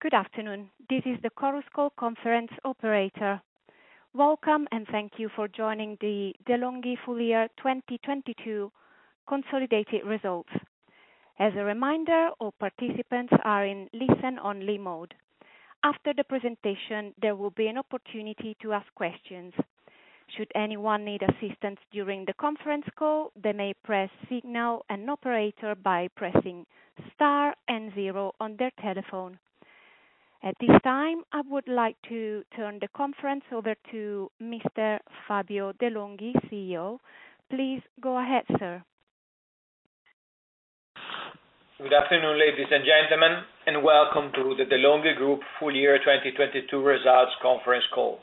Good afternoon, this is the Chorus Call conference operator. Welcome, thank you for joining the De'Longhi full-year 2022 consolidated results. As a reminder, all participants are in listen-only-mode. After the presentation, there will be an opportunity to ask questions. Should anyone need assistance during the conference call, they may press signal an operator by pressing star and zero on their telephone. At this time, I would like to turn the conference over to Mr. Fabio de' Longhi, CEO. Please go ahead, sir. Good afternoon, ladies and gentlemen, welcome to the De'Longhi Group full-year 2022 results conference call.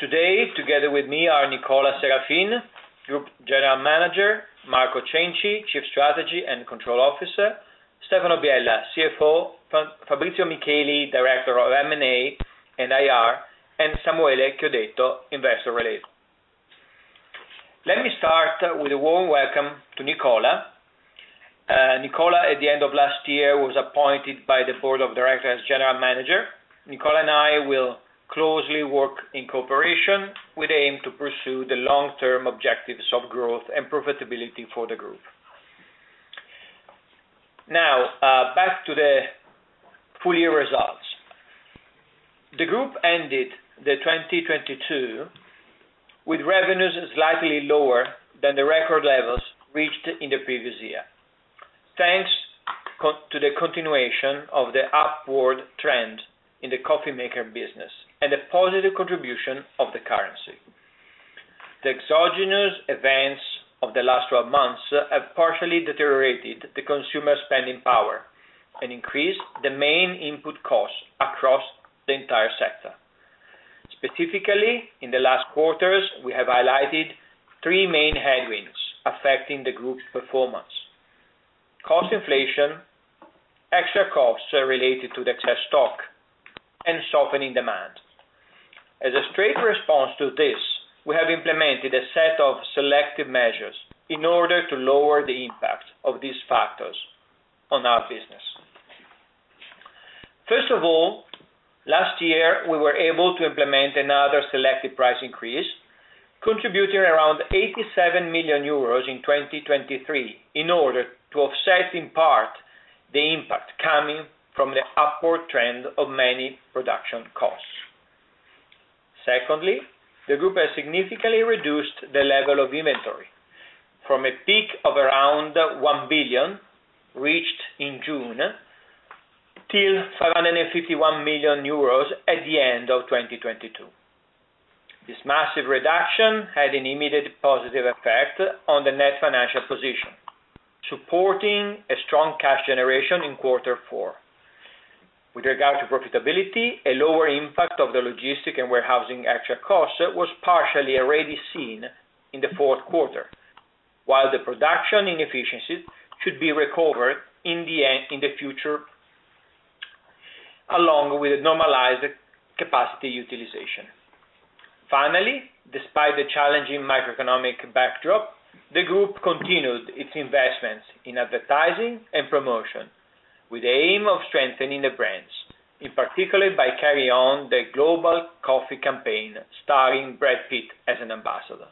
Today, together with me are Nicola Serafin, Group General Manager, Marco Cenci, Chief Strategy and Control Officer, Stefano Biella, CFO, Fabrizio Micheli, Director of M&A and IR, and Samuele Chiodetto, Investor Relations. Let me start with a warm welcome to Nicola. Nicola at the end of last year was appointed by the board of directors general manager. Nicola and I will closely work in cooperation with aim to pursue the long-term objectives of growth and profitability for the group. Now, back to the full year results. The group ended the 2022 with revenues slightly lower than the record levels reached in the previous year. Thanks to the continuation of the upward trend in the coffee maker business and a positive contribution of the currency. The exogenous events of the last 12 months have partially deteriorated the consumer spending power and increased the main input costs across the entire sector. Specifically, in the last quarters, we have highlighted three main headwinds affecting the group's performance. Cost inflation, extra costs related to the excess stock, and softening demand. As a straight response to this, we have implemented a set of selective measures in order to lower the impact of these factors on our business. First of all, last year, we were able to implement another selective price increase, contributing around 87 million euros in 2023 in order to offset, in part, the impact coming from the upward trend of many production costs. Secondly, the group has significantly reduced the level of inventory from a peak of around 1 billion, reached in June, till 551 million euros at the end of 2022. This massive reduction had an immediate positive effect on the net financial position, supporting a strong cash generation in quarter four. With regard to profitability, a lower impact of the logistic and warehousing extra cost was partially already seen in the fourth quarter, while the production inefficiencies should be recovered in the end, in the future, along with a normalized capacity utilization. Finally, despite the challenging microeconomic backdrop, the group continued its investments in advertising and promotion with the aim of strengthening the brands, in particular by carrying on the global coffee campaign starring Brad Pitt as an ambassador.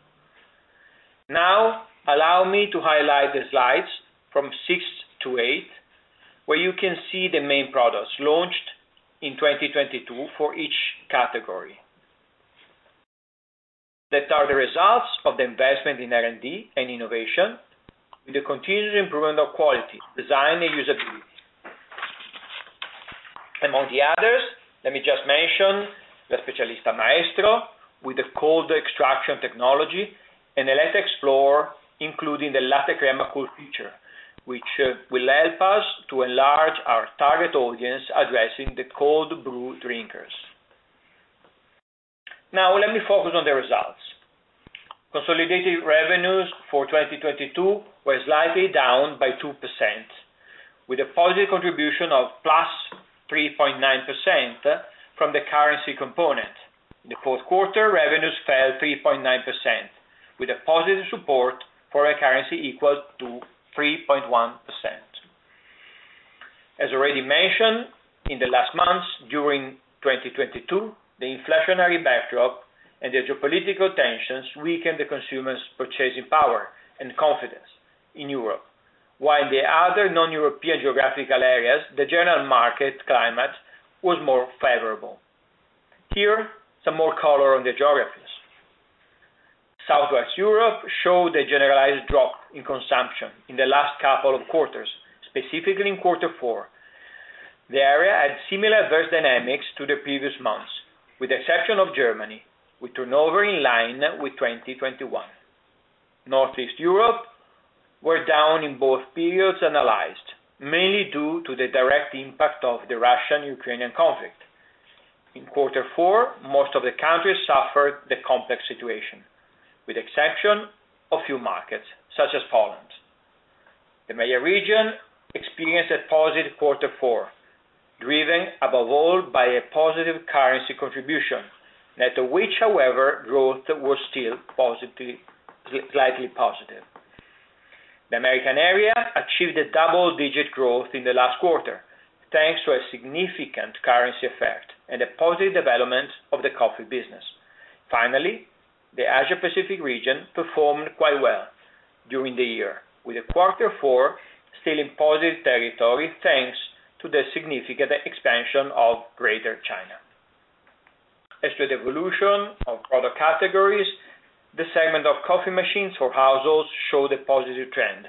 Now, allow me to highlight the slides from six to eight, where you can see the main products launched in 2022 for each category. That are the results of the investment in R&D and innovation with the continued improvement of quality, design, and usability. Among the others, let me just mention La Specialista Maestro with the Cold Extraction Technology and the Eletta Explore, including the LatteCrema cold feature, which will help us to enlarge our target audience addressing the cold brew drinkers. Let me focus on the results. Consolidated revenues for 2022 were slightly down by 2%, with a positive contribution of +3.9% from the currency component. In the fourth quarter, revenues fell 3.9%, with a positive support foreign currency equal to 3.1%. As already mentioned, in the last months during 2022, the inflationary backdrop and the geopolitical tensions weakened the consumers purchasing power and confidence in Europe. In the other non-European geographical areas, the general market climate was more favorable. Some more color on the geographies. Southwest Europe showed a generalized drop in consumption in the last couple of quarters, specifically in quarter four. The area had similar adverse dynamics to the previous months, with the exception of Germany, with turnover in line with 2021. Northeast Europe were down in both periods analyzed, mainly due to the direct impact of the Russian-Ukrainian conflict. In quarter four, most of the countries suffered the complex situation, with exception of few markets such as Poland. The MEIA region experienced a positive quarter four. Driven above all by a positive currency contribution, net of which, however, growth was still positively slightly positive. The American area achieved a double-digit growth in the last quarter, thanks to a significant currency effect and a positive development of the coffee business. The Asia Pacific region performed quite well during the year, with a quarter four still in positive territory, thanks to the significant expansion of Greater China. As to the evolution of product categories, the segment of coffee machines for households showed a positive trend,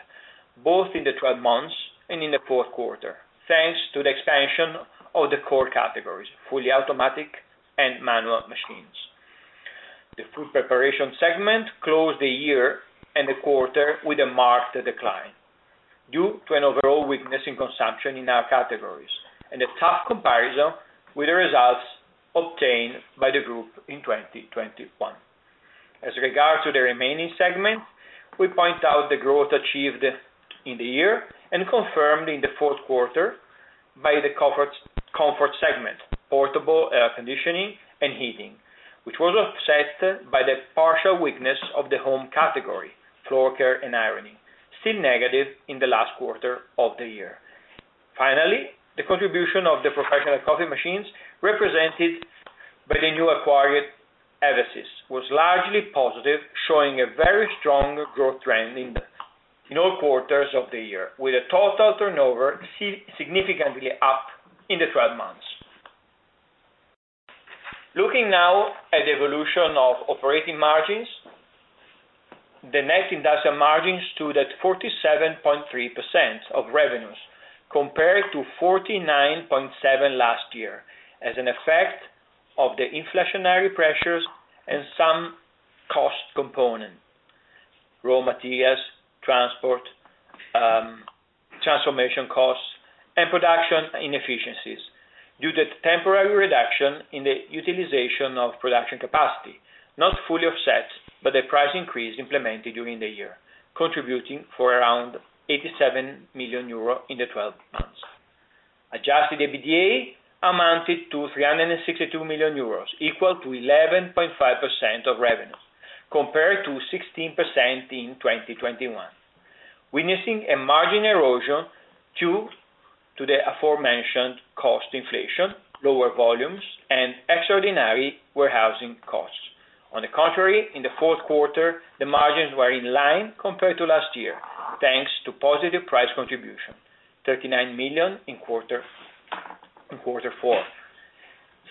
both in the 12 months and in the fourth quarter, thanks to the expansion of the core categories, fully automatic and manual machines. The food preparation segment closed the year and the quarter with a marked decline due to an overall weakness in consumption in our categories and a tough comparison with the results obtained by the group in 2021. As regard to the remaining segment, we point out the growth achieved in the year and confirmed in the fourth quarter by the comfort segment, portable, conditioning and heating, which was offset by the partial weakness of the home category, floor care and ironing, still negative in the last quarter of the year. Finally, the contribution of the professional coffee machines represented by the new acquired Eversys was largely positive, showing a very strong growth trend in the, in all quarters of the year, with a total turnover significantly up in the 12 months. Looking now at the evolution of operating margins, the net industrial margins stood at 47.3% of revenues compared to 49.7% last year, as an effect of the inflationary pressures and some cost component, raw materials, transport, transformation costs and production inefficiencies due to temporary reduction in the utilization of production capacity, not fully offset, but the price increase implemented during the year, contributing for around 87 million euro in the 12 months. Adjusted EBITDA amounted to 362 million euros, equal to 11.5% of revenues, compared to 16% in 2021, witnessing a margin erosion due to the aforementioned cost inflation, lower volumes and extraordinary warehousing costs. On the contrary, in the fourth quarter, the margins were in line compared to last year, thanks to positive price contribution, 39 million in quarter four,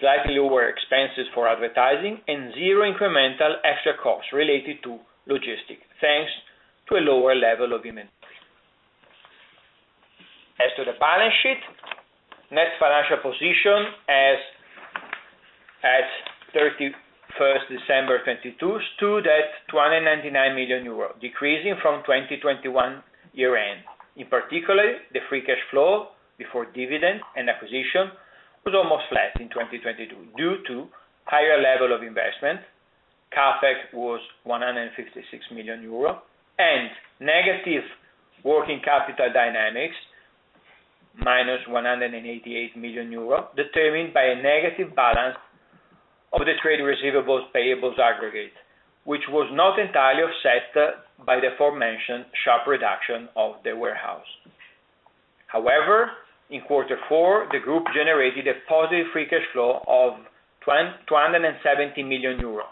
slightly lower expenses for advertising and zero incremental extra costs related to logistics, thanks to a lower level of inventory. As to the balance sheet, net financial position as 31st December 2022 stood at 299 million euro, decreasing from 2021 year-end. In particular, the free cash flow before dividend and acquisition was almost flat in 2022 due to higher level of investment. CapEx was 156 million euro and negative working capital dynamics minus 188 million euro, determined by a negative balance of the trade receivables payables aggregate, which was not entirely offset by the aforementioned sharp reduction of the warehouse. In quarter four, the group generated a positive free cash flow of 270 million euro,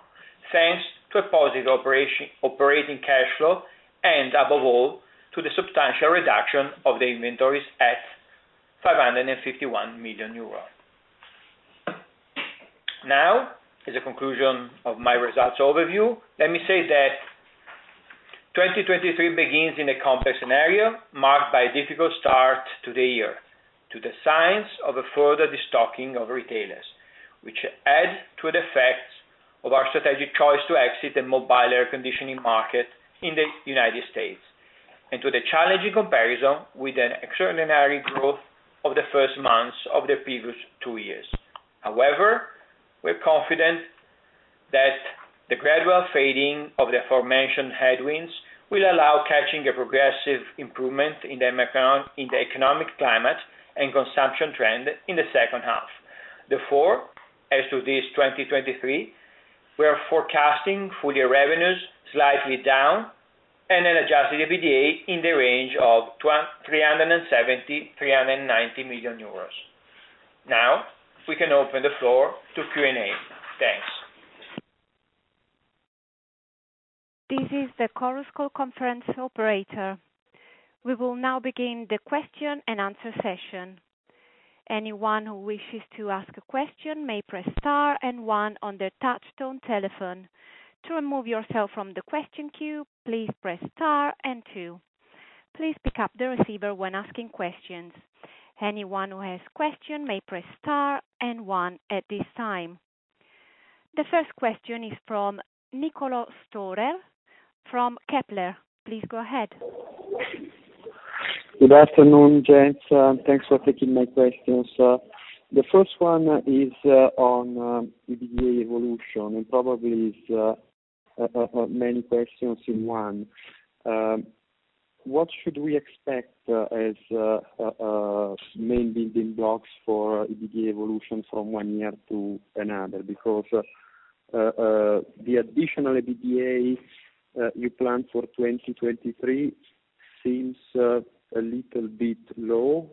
thanks to a positive operating cash flow and above all, to the substantial reduction of the inventories at 551 million euro. As a conclusion of my results overview, let me say that 2023 begins in a complex scenario marked by a difficult start to the year, to the signs of a further destocking of retailers, which add to the effects of our strategic choice to exit the mobile air conditioning market in the United States and to the challenging comparison with an extraordinary growth of the first months of the previous two years. We're confident that the gradual fading of the aforementioned headwinds will allow catching a progressive improvement in the economic climate and consumption trend in the second half. As to this 2023, we are forecasting full-year revenues slightly down and an adjusted EBITDA in the range of 370 million-390 million euros. We can open the floor to Q&A. Thanks. This is the Chorus Call conference operator. We will now begin the question and answer session. Anyone who wishes to ask a question may press star and one on their touchtone telephone. To remove yourself from the question queue, please press star and two. Please pick up the receiver when asking questions. Anyone who has question may press star and one at this time. The first question is from Niccol`o Storer from Kepler. Please go ahead. Good afternoon, gents. Thanks for taking my questions. The first one is on EBITDA evolution and probably is many questions in one. What should we expect as main building blocks for EBITDA evolution from one year to another? The additional EBITDA you plan for 2023 seems a little bit low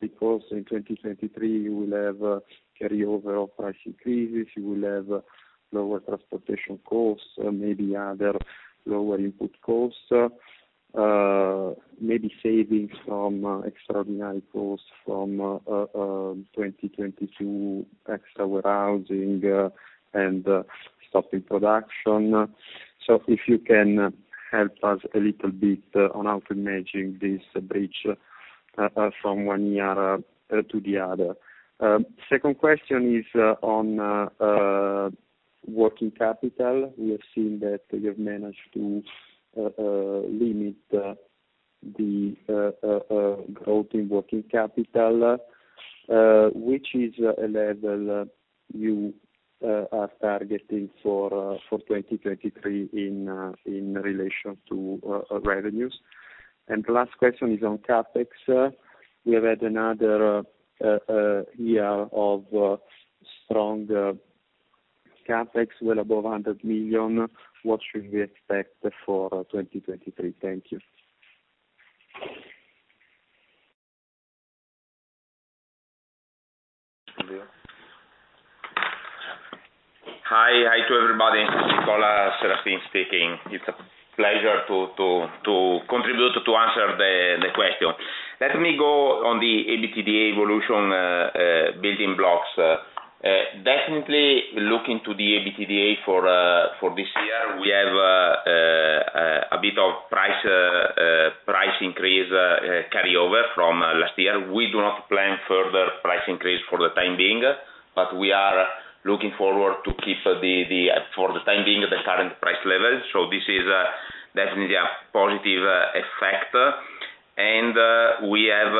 because in 2023 you will have a carryover of price increases, you will have lower transportation costs, maybe other lower input costs, maybe savings from extraordinary costs from 2022 extra warehousing and stopping production. If you can help us a little bit on how to manage this bridge from one year to the other. Second question is on working capital. We have seen that you've managed to limit the growth in working capital, which is a level you are targeting for 2023 in relation to revenues. The last question is on CapEx. We have had another year of strong CapEx, well above 100 million. What should we expect for 2023? Thank you. Hi. Hi to everybody. Nicola Serafin speaking. It's a pleasure to contribute, to answer the question. Let me go on the EBITDA evolution building blocks. Definitely looking to the EBITDA for this year, we have a bit of price increase carryover from last year. We do not plan further price increase for the time being, but we are looking forward to keep the for the time being, the current price level. This is definitely a positive effect. We have,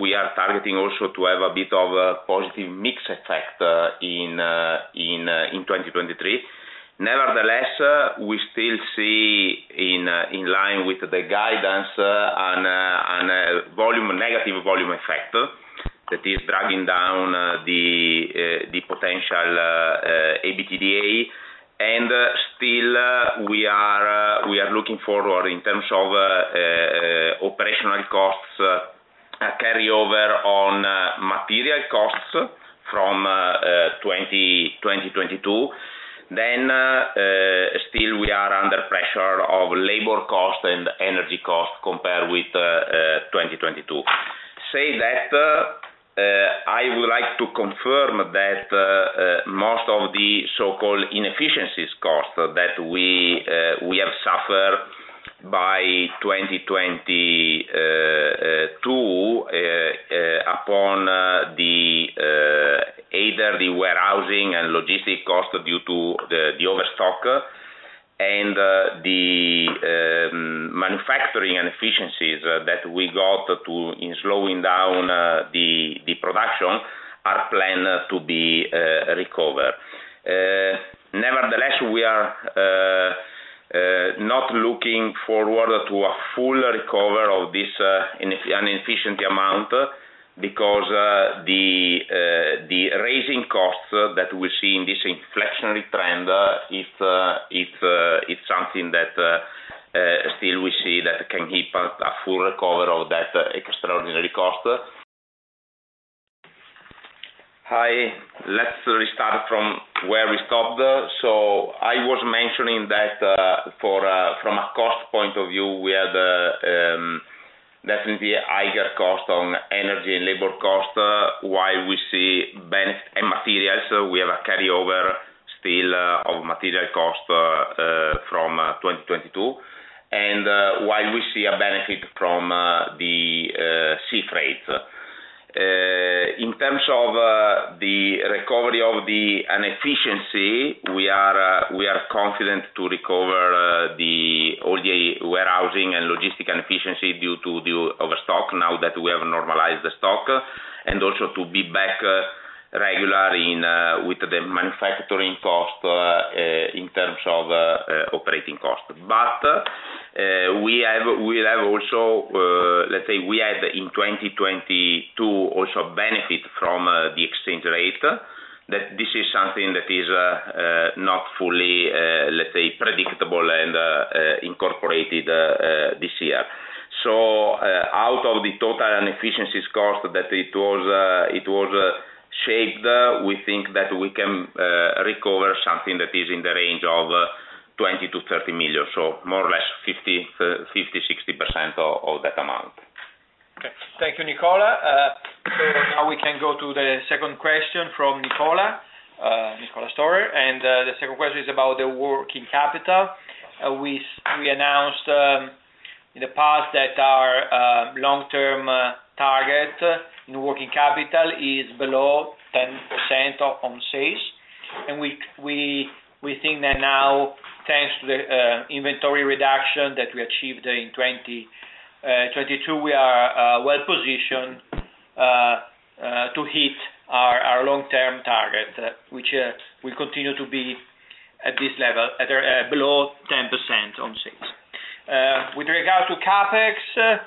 we are targeting also to have a bit of a positive mix effect in 2023. Nevertheless, we still see in line with the guidance on a volume, negative volume effect that is driving down the potential EBITDA. Still, we are looking forward in terms of operational costs carry over on material costs from 2022. Still, we are under pressure of labor cost and energy cost compared with 2022. Say that, I would like to confirm that most of the so-called inefficiencies cost that we have suffered by 2022 upon the either the warehousing and logistic cost due to the overstock and the manufacturing and efficiencies that we got to in slowing down the production are planned to be recovered. Nevertheless, we are not looking forward to a full recover of this inefficiency amount because the raising costs that we see in this inflection trend, it's something that still we see that can keep a full recover of that extraordinary cost. Hi, let's restart from where we stopped. I was mentioning that for from a cost point of view, we had definitely a higher cost on energy and labor cost, while we see benefit in materials. We have a carryover still of material cost from 2022. While we see a benefit from the sea freight. In terms of the recovery of the inefficiency, we are confident to recover all the warehousing and logistic inefficiency due to the overstock now that we have normalized the stock, and also to be back regular in with the manufacturing cost in terms of operating cost. We have also, let's say we had in 2022 also benefit from the exchange rate, that this is something that is not fully, let's say, predictable and incorporated this year. Out of the total inefficiencies cost that it was shaped, we think that we can recover something that is in the range of 20 million-30 million. More or less 50%-60% of that amount. Okay. Thank you, Nicola. Now we can go to the second question from Niccol`o Storer. The second question is about the working capital. We announced in the past that our long-term target in working capital is below 10% on sales. We think that now, thanks to the inventory reduction that we achieved in 2022, we are well positioned Will continue to be at this level at or below 10% on sales. With regard to CapEx,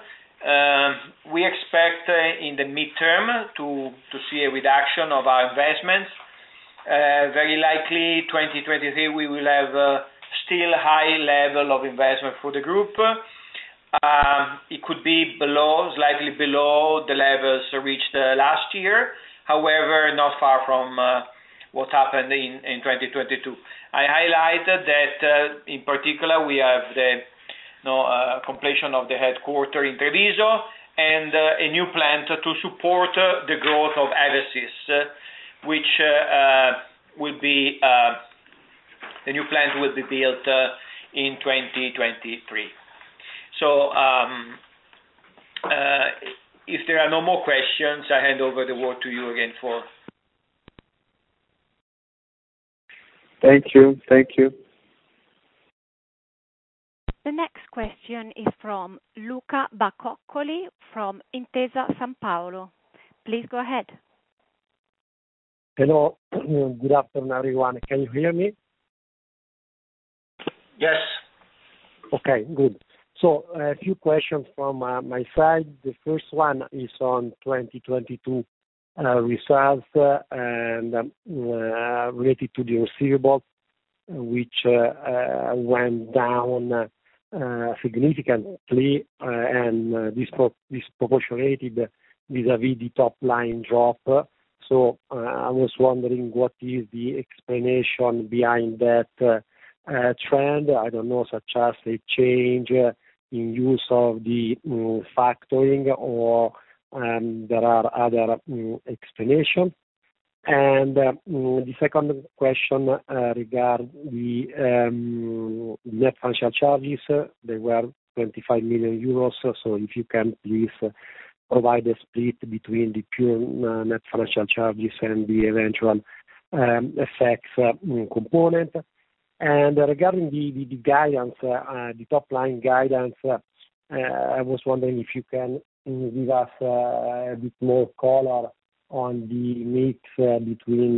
we expect in the mid-term to see a reduction of our investments. Very likely 2023, we will have still high level of investment for the group. It could be below, slightly below the levels reached last year. However, not far from what happened in 2022. I highlighted that, in particular, we have the, you know, completion of the headquarter in Treviso, and a new plant to support the growth of Eversys. Which the new plant will be built in 2023. If there are no more questions, I hand over the word to you again for... Thank you. Thank you. The next question is from Luca Bacoccoli from Intesa Sanpaolo. Please go ahead. Hello. Good afternoon, everyone. Can you hear me? Yes. Okay, good. A few questions from my side. The first one is on 2022 results, and related to the receivables, which went down significantly and disproportionately vis-a-vis the top line drop. I was wondering what is the explanation behind that trend. I don't know, such as a change in use of the factoring or there are other explanation. The second question regard the net financial charges. They were 25 million euros. If you can please provide a split between the pure net financial charges and the eventual effects component. Regarding the guidance, the top line guidance, I was wondering if you can give us a bit more color on the mix between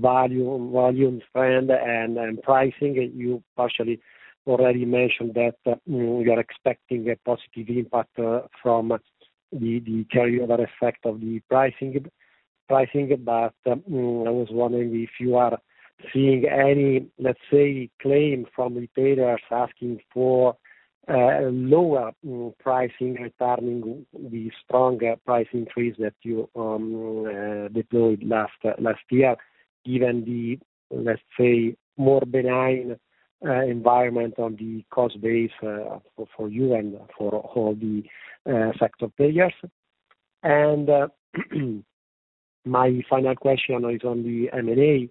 volume trend and pricing. You partially already mentioned that you're expecting a positive impact from the carryover effect of the pricing. I was wondering if you are seeing any, let's say, claim from retailers asking for lower pricing returning the stronger price increase that you deployed last year, given the, let's say, more benign environment on the cost base for you and for all the sector players. My final question is on the M&A.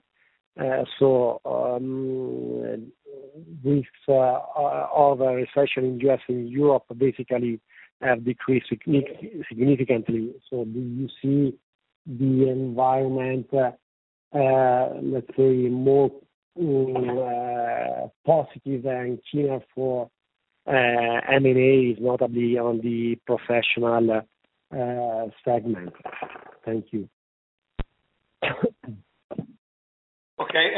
Risks of a recession just in Europe basically have decreased significantly. Do you see the environment, let's say, more positive and clearer for M&A, notably on the professional segment? Thank you. Okay.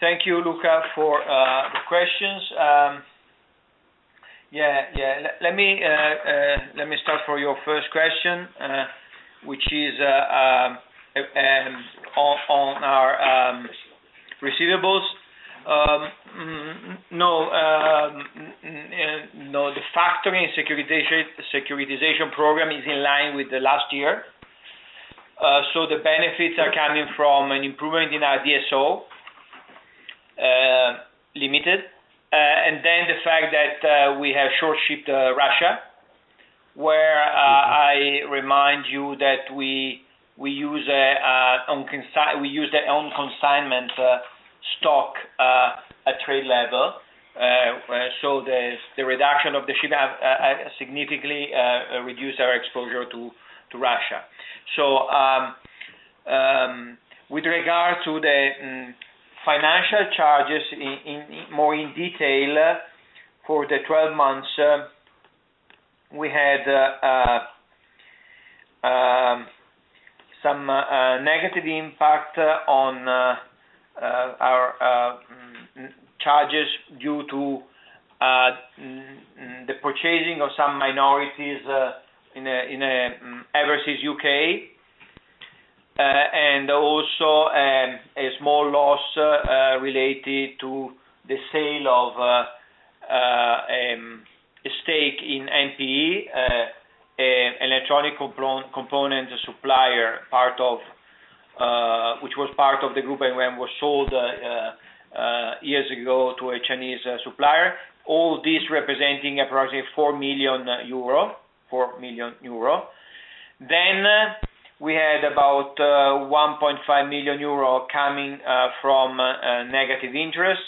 Thank you, Luca, for the questions. Yeah. Let me start for your first question, which is on our receivables. No, no, the factoring securitization program is in line with the last year. The benefits are coming from an improvement in our DSO, limited. The fact that we have short shipped Russia, where I remind you that we use the on consignment stock at trade level. The reduction of the shipment significantly reduce our exposure to Russia. With regard to the financial charges, more in detail, for the 12 months, we had some negative impact on our charges due to the purchasing of some minorities in Eversys UK. Also, a small loss related to the sale of a stake in NPE, an electronic component supplier, part of which was part of the group and was sold years ago to a Chinese supplier. All this representing approximately 4 million euro. We had about 1.5 million euro coming from negative interest.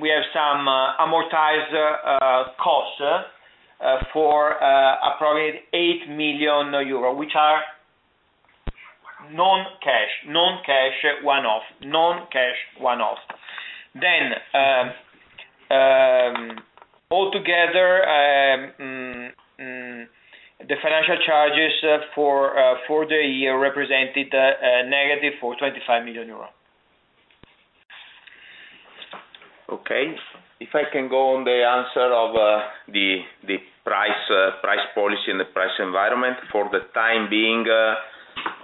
We have some amortized costs for approximately 8 million euro, which are non-cash one-off. The financial charges for the year represented, a negative for 25 million euro. Okay. If I can go on the answer of the price policy and the price environment. For the time being,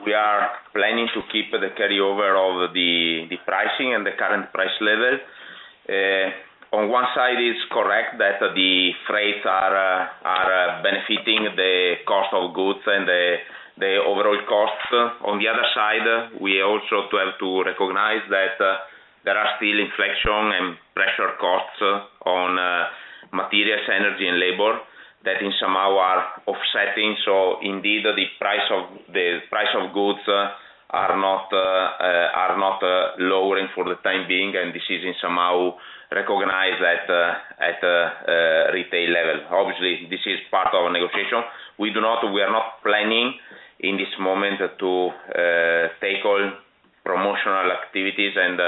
we are planning to keep the carryover of the pricing and the current price level. On one side it's correct that the freights are benefiting the cost of goods and the overall costs. On the other side, we also to have to recognize that there are still inflation and pressure costs on materials, energy and labor that in somehow are offsetting. Indeed the price of goods are not lowering for the time being, and this is in somehow recognized at retail level. Obviously, this is part of negotiation. We are not planning in this moment to take all promotional activities and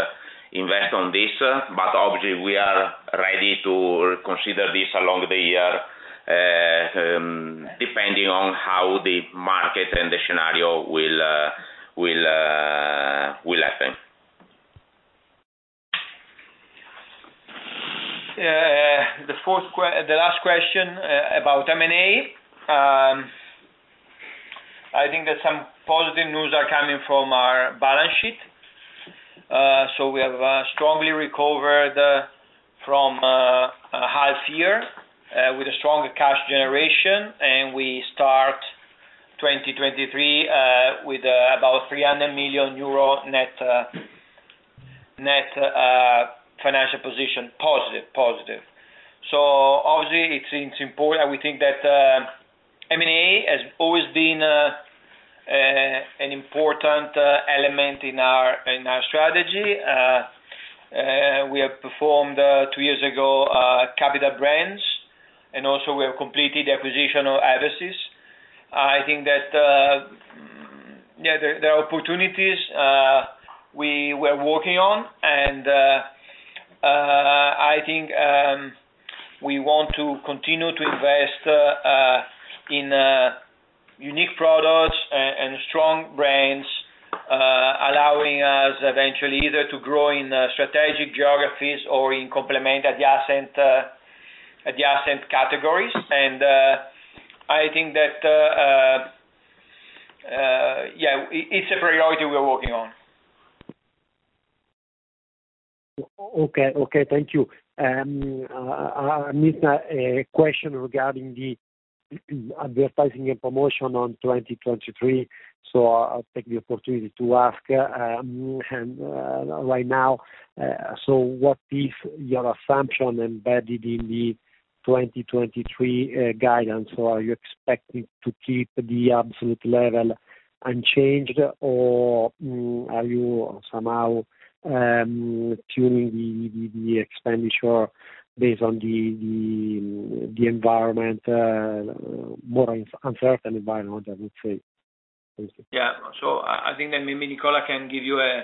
invest on this, but obviously we are ready to consider this along the year, depending on how the market and the scenario will happen. The fourth the last question about M&A. I think that some positive news are coming from our balance sheet. We have strongly recovered from a hard year with a strong cash generation, and we start 2023 with about 300 million euro net financial position positive. Obviously it seems important. We think that M&A has always been an important element in our strategy. We have performed two years ago Capital Brands, and also we have completed the acquisition of Eversys. I think that, yeah, there are opportunities, we're working on, and, I think, we want to continue to invest, in, unique products and strong brands, allowing us eventually either to grow in strategic geographies or in complementary adjacent categories. I think that, yeah, it's a priority we are working on. Okay, thank you. I missed a question regarding the advertising and promotion on 2023. I'll take the opportunity to ask right now. What is your assumption embedded in the 2023 guidance? Are you expecting to keep the absolute level unchanged, or are you somehow tuning the expenditure based on the environment, more uncertain environment, I would say? Thank you. I think that maybe Nicola can give you a,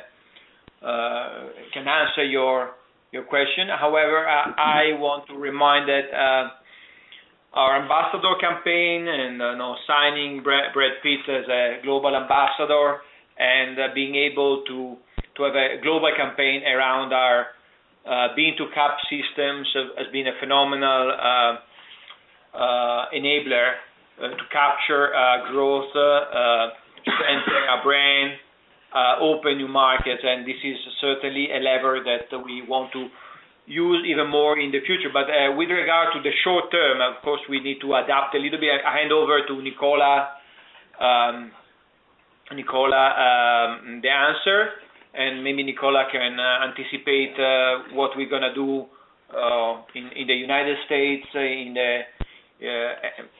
can answer your question. However, I want to remind that our ambassador campaign and, you know, signing Brad Pitt as a global ambassador and being able to have a global campaign around our Bean to Cup systems has been a phenomenal enabler to capture growth, enter our brand, open new markets. This is certainly a lever that we want to use even more in the future. With regard to the short term, of course, we need to adapt a little bit. I hand over to Nicola, the answer, and maybe Nicola can anticipate what we're gonna do in the United States,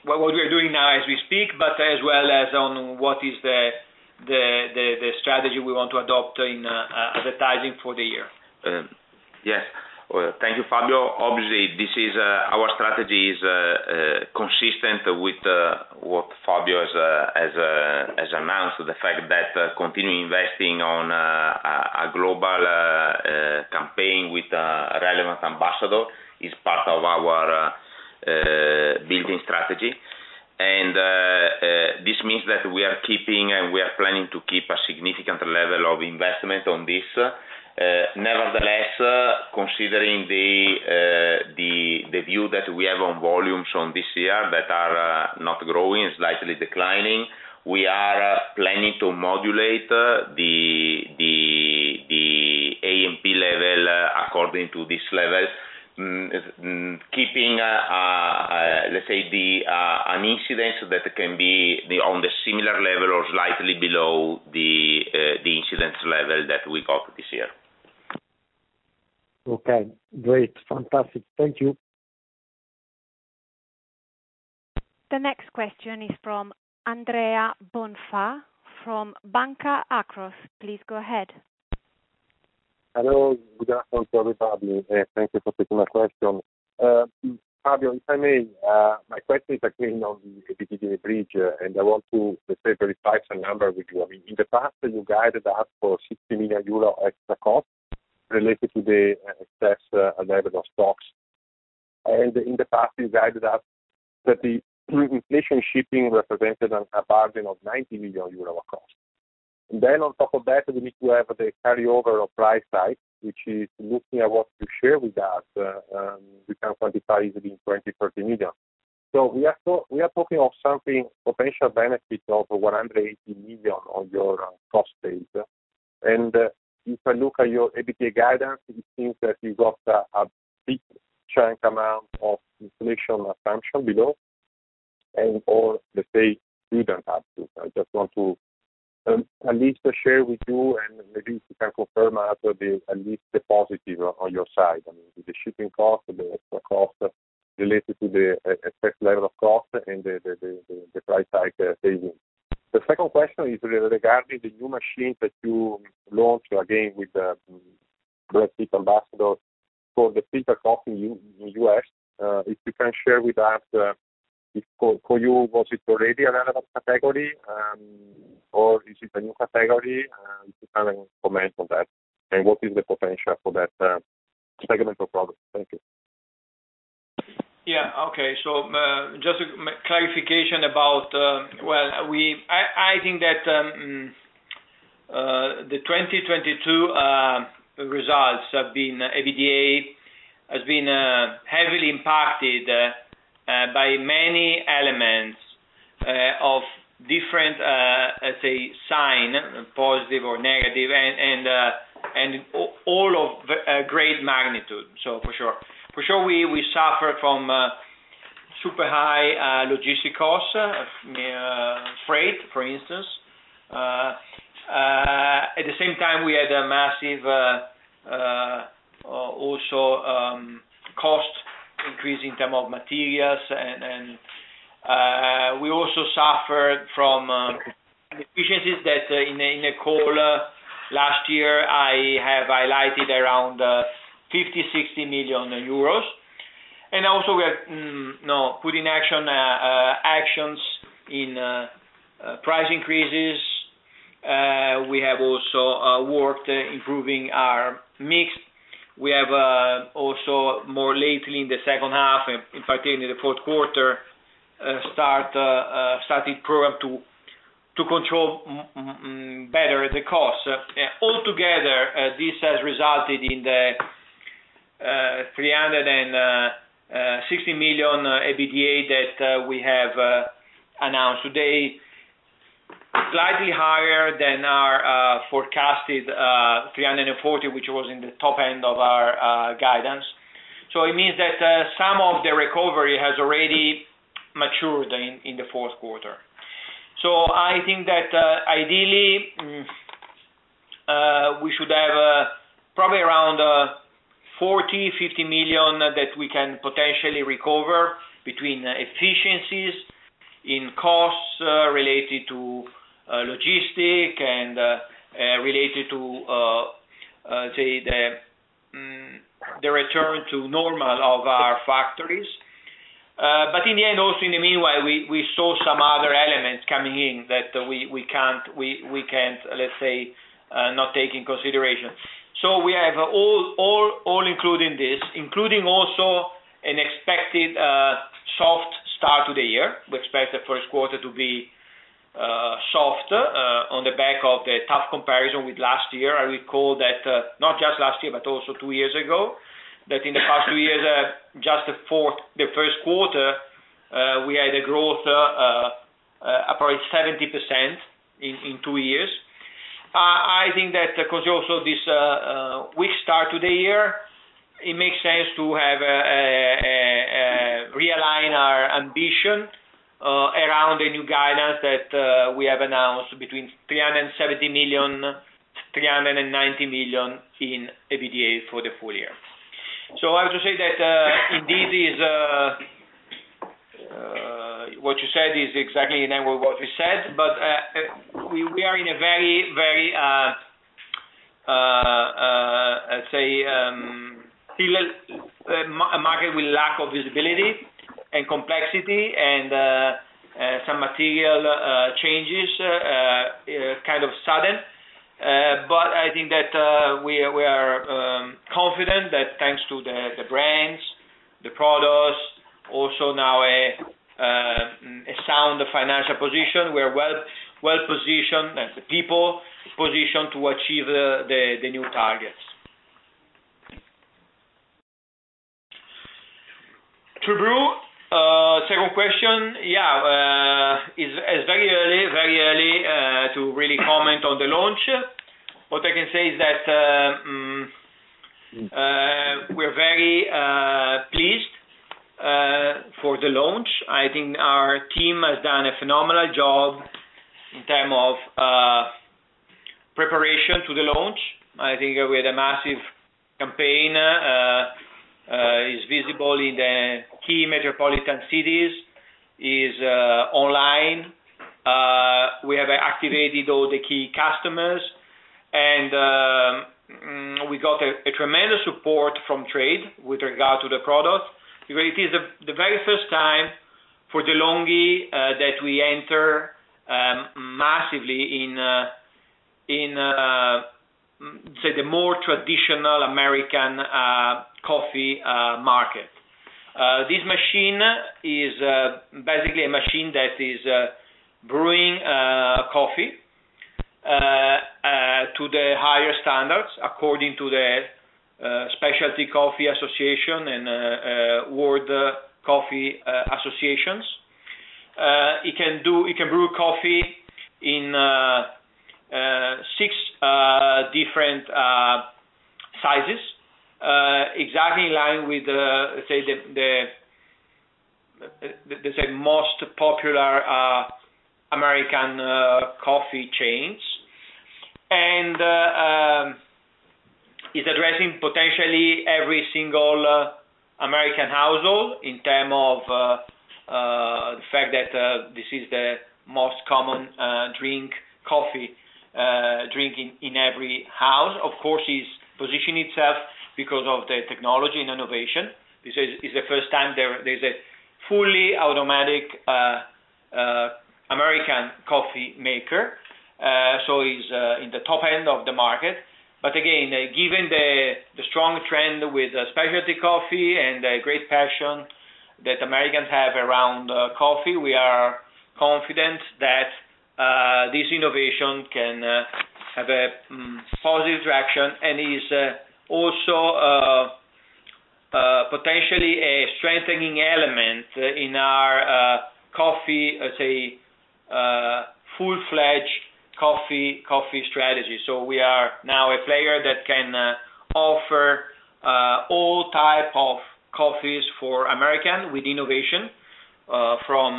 what we are doing now as we speak, but as well as on what is the strategy we want to adopt in advertising for the year. Yes. Well, thank you, Fabio. Obviously, this is our strategy is consistent with what Fabio has announced. The fact that continuing investing on a global campaign with a relevant ambassador is part of our building strategy. This means that we are keeping and we are planning to keep a significant level of investment on this. Nevertheless, considering the view that we have on volumes on this year that are not growing, slightly declining, we are planning to modulate the A&P level according to this level, keeping, let's say, an incidence that can be on the similar level or slightly below the incidence level that we got this year. Okay. Great. Fantastic. Thank you. The next question is from Andrea Bonfà from Banca Akros. Please go ahead. Hello. Good afternoon to everybody, thank you for taking my question. Fabio, if I may, my question is actually on the EBITDA bridge, and I want to, let's say verify some number with you. I mean, in the past, you guided us for 60 million euro extra cost related to the excess available stocks. In the past, you guided us that the inflation shipping represented a bargain of 90 million euros across. On top of that, we need to have the carryover of price hike, which is looking at what you share with us, we can quantify it in 20 million-30 million. We are talking of something potential benefit of 180 million on your cost base. If I look at your EBITDA guidance, it seems that you got a big chunk amount of inflation assumption below, and or let's say, you don't have to. I just want to at least share with you, and maybe you can confirm after the at least the positive on your side. I mean, the shipping cost, the extra cost related to the e-excess level of cost and the price hike saving. The second question is regarding the new machine that you launched again with George Clooney ambassador for the filter coffee in US. If you can share with us, if for you, was it already a relevant category, or is it a new category? If you have any comment on that. What is the potential for that segmental product? Thank you. Yeah, okay. Just a clarification about, well, I think that the 2022 results have been, EBITDA has been heavily impacted by many elements of different, let's say, sign, positive or negative, and all of great magnitude, for sure. For sure, we suffered from super high logistic costs, freight, for instance. At the same time, we had a massive also cost increase in term of materials, and we also suffered from efficiencies that in a call last year, I have highlighted around 50 million-60 million euros. Also we have put in action actions in price increases. We have also worked improving our mix. We have also more lately in the second half, in particular in the fourth quarter, started program to control better the cost. All together, this has resulted in the 360 million EBITDA that we have announced today, slightly higher than our forecasted 340, which was in the top end of our guidance. It means that some of the recovery has already matured in the fourth quarter. I think that ideally, we should have probably around 40 million-50 million that we can potentially recover between efficiencies in costs related to logistic and related to say, the return to normal of our factories. In the end, also in the meanwhile, we saw some other elements coming in that we can't, let's say, not take in consideration. We have all including this, including also an expected soft start to the year. We expect the first quarter to be soft on the back of the tough comparison with last year. I recall that not just last year, but also two years ago, that in the past two years, just the first quarter, we had a growth approach 70% in two years. I think that because also this weak start to the year, it makes sense to have realign our ambition around the new guidance that we have announced between 370 million and 390 million in EBITDA for the full-year. I would just say that indeed what you said is exactly in line with what we said. We are in a very, let's say, still a market with lack of visibility and complexity and some material changes kind of sudden. I think that we are confident that thanks to the brands, the products, also now a sound financial position, we're well-positioned to achieve the new targets. TrueBrew. Second question. Yeah, is very early to really comment on the launch. What I can say is that, we're very pleased for the launch. I think our team has done a phenomenal job in term of preparation to the launch. I think with a massive campaign is visible in the key metropolitan cities, is online. We have activated all the key customers, and we got a tremendous support from trade with regard to the product. Because it is the very first time for De'Longhi that we enter massively in, say, the more traditional American coffee market. This machine is basically a machine that is brewing coffee to the higher standards according to the Specialty Coffee Association and World Coffee Associations. It can do, it can brew coffee in six different sizes exactly in line with the, say, the most popular American coffee chains. It's addressing potentially every single American household in term of the fact that this is the most common drink coffee drink in every house. Of course, it's positioned itself because of the technology and innovation. This is, it's the first time there's a fully automatic American coffee maker. It's in the top end of the market. Again, given the strong trend with specialty coffee and the great passion that Americans have around coffee, we are confident that this innovation can have a positive traction and is also potentially a strengthening element in our coffee, let's say, full-fledged coffee strategy. We are now a player that can offer all type of coffees for American with innovation from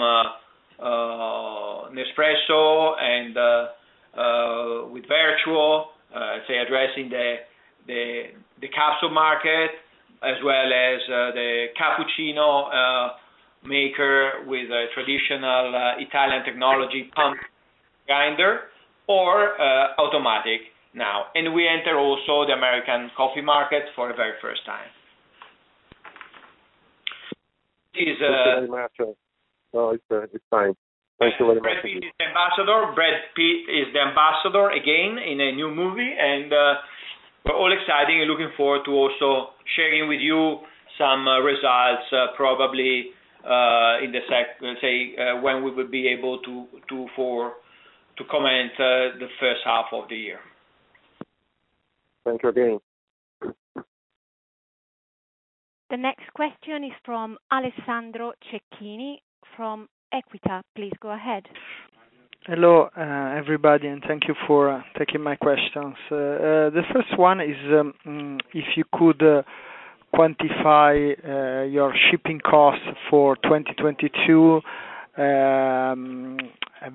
Nespresso and with Vertuo, say addressing the capsule market as well as the cappuccino maker with a traditional Italian technology pump grinder or automatic now. We enter also the American coffee market for the very first time. Thank you very much. No, it's fine. Thank you very much indeed. Ambassador, Brad Pitt is the ambassador again in a new movie. We're all excited and looking forward to also sharing with you some results, probably, in the say when we will be able to comment, the first half of the year. Thanks again. The next question is from Alessandro Cecchini from EQUITA. Please go ahead. Hello, everybody, thank you for taking my questions. The first one is, if you could quantify your shipping costs for 2022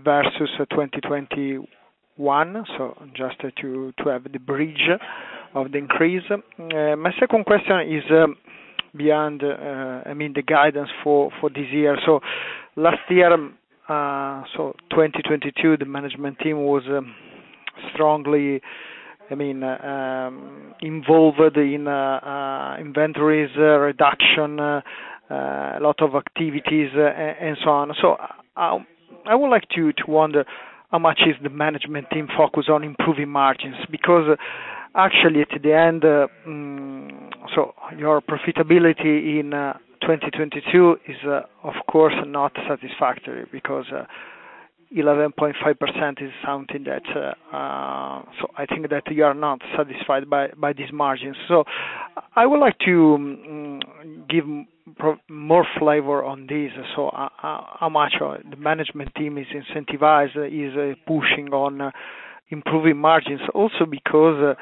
versus 2021. Just to have the bridge of the increase. My second question is, beyond, I mean, the guidance for this year. Last year, 2022, the management team was strongly, I mean, involved in inventories reduction, a lot of activities, and so on. I would like to wonder how much is the management team focused on improving margins. Actually at the end, your profitability in 2022 is, of course, not satisfactory because 11.5% is something that I think that you are not satisfied by these margins. I would like to give more flavor on this. How much the management team is incentivized, is pushing on improving margins. Also because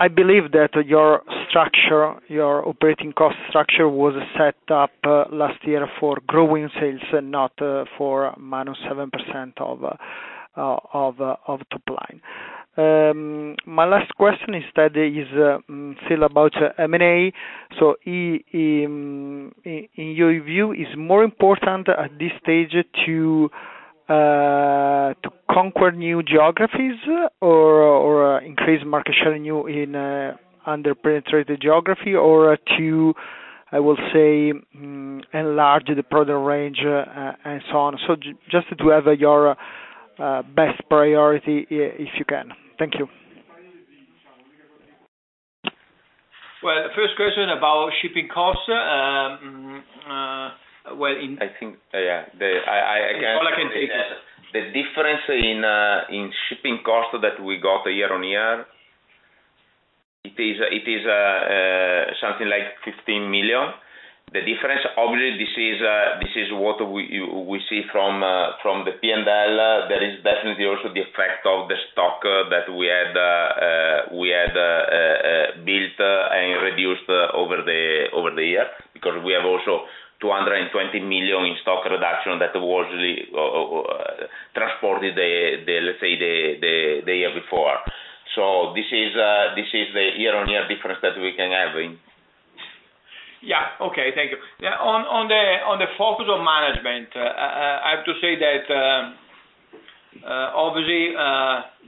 I believe that your structure, your operating cost structure was set up last year for growing sales and not for -7% of top line. My last question is that is still about M&A. In your view, is more important at this stage to conquer new geographies or increase market share in new, underpenetrated geography or to, I will say, enlarge the product range and so on. Just to have your best priority if you can. Thank you. First question about shipping costs. I think, yeah, the, I. All I can take. The difference in shipping costs that we got year-on-year, it is something like 15 million. The difference, obviously, this is what we see from the P&L. There is definitely also the effect of the stock that we had built and reduced over the year. We have also 220 million in stock reduction that was transported the, let's say, the year before. This is the year-on-year difference that we can have. Okay. Thank you. Yeah, on the focus of management, I have to say that, obviously,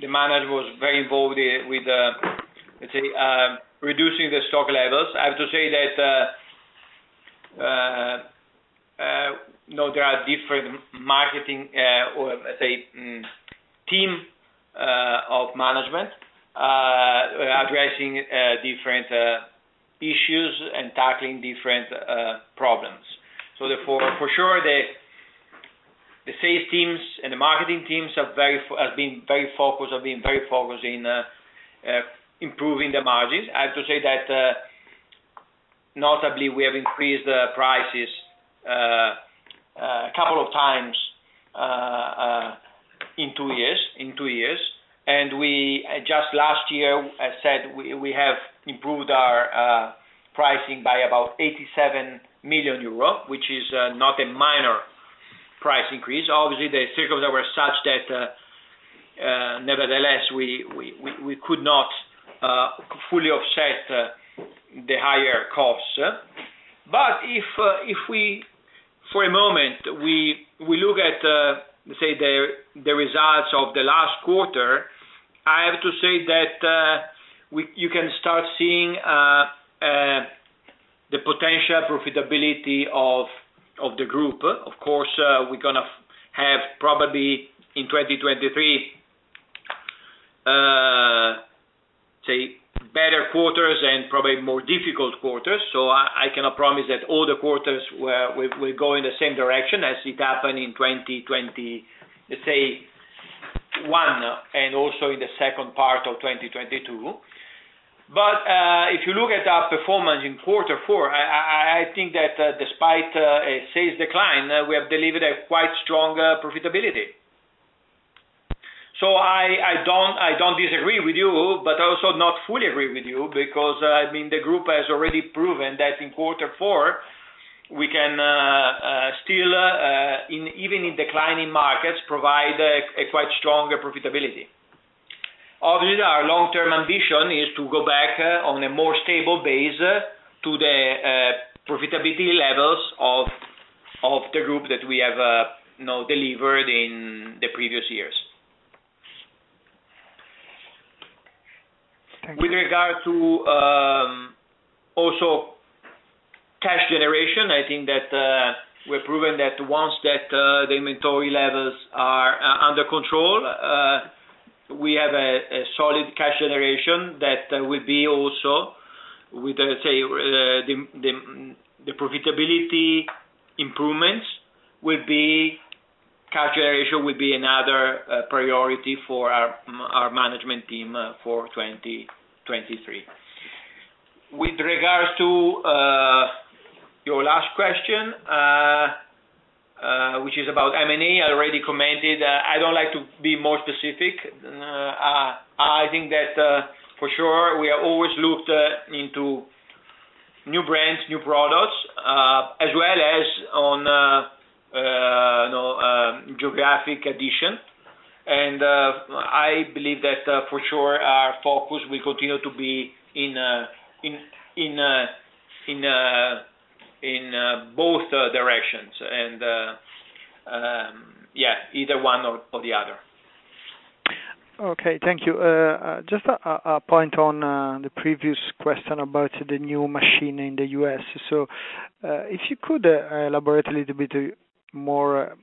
the management was very involved with the, let's say, reducing the stock. You know, there are different marketing, or let's say, team of management, addressing different issues and tackling different problems. Therefore, for sure, the sales teams and the marketing teams have been very focused in improving the margins. I have to say that, notably, we have increased the prices a couple of times in two years. We, just last year, I said we have improved our pricing by about 87 million euro, which is not a minor price increase. Obviously, the circumstances were such that nevertheless, we could not fully offset the higher costs. If we, for a moment, we look at say the results of the last quarter, I have to say that you can start seeing the potential profitability of the group. Of course, we're gonna have probably in 2023, say, better quarters and probably more difficult quarters. I cannot promise that all the quarters will go in the same direction as it happened in 2021, and also in the second part of 2022. If you look at our performance in quarter four, I think that despite a sales decline, we have delivered a quite strong profitability. I don't disagree with you, but also not fully agree with you because, I mean, the group has already proven that in quarter four, we can still even in declining markets, provide a quite strong profitability. Obviously, our long-term ambition is to go back on a more stable base to the profitability levels of the group that we have, you know, delivered in the previous years. Thank you. With regard to, also cash generation, I think that we've proven that once that the inventory levels are under control, we have a solid cash generation that will be also with, let's say, the profitability improvements will be, cash generation will be another priority for our management team for 2023. With regards to your last question, which is about M&A, I already commented. I don't like to be more specific. I think that, for sure, we are always looked into new brands, new products, as well as on, you know, geographic addition. I believe that, for sure our focus will continue to be in both directions and, yeah, either one or the other. Okay, thank you. Just a point on the previous question about the new machine in the U.S. If you could elaborate a little bit more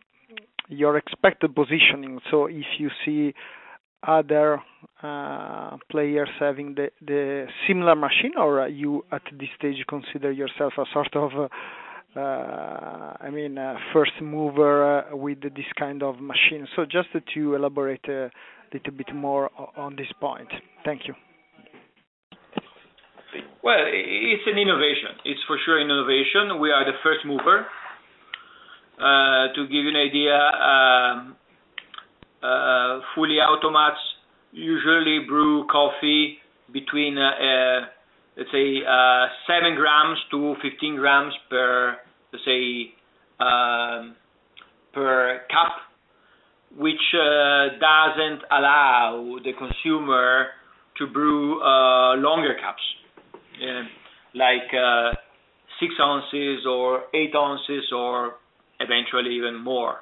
your expected positioning. If you see other players having the similar machine, or you at this stage consider yourself a sort of, I mean, a first mover with this kind of machine. Just to elaborate a little bit more on this point. Thank you. Well, it's an innovation. It's for sure an innovation. We are the first mover. To give you an idea, fully automats usually brew coffee between 7 g-15 g per cup, which doesn't allow the consumer to brew longer cups, like 6 oz or 8 oz or eventually even more.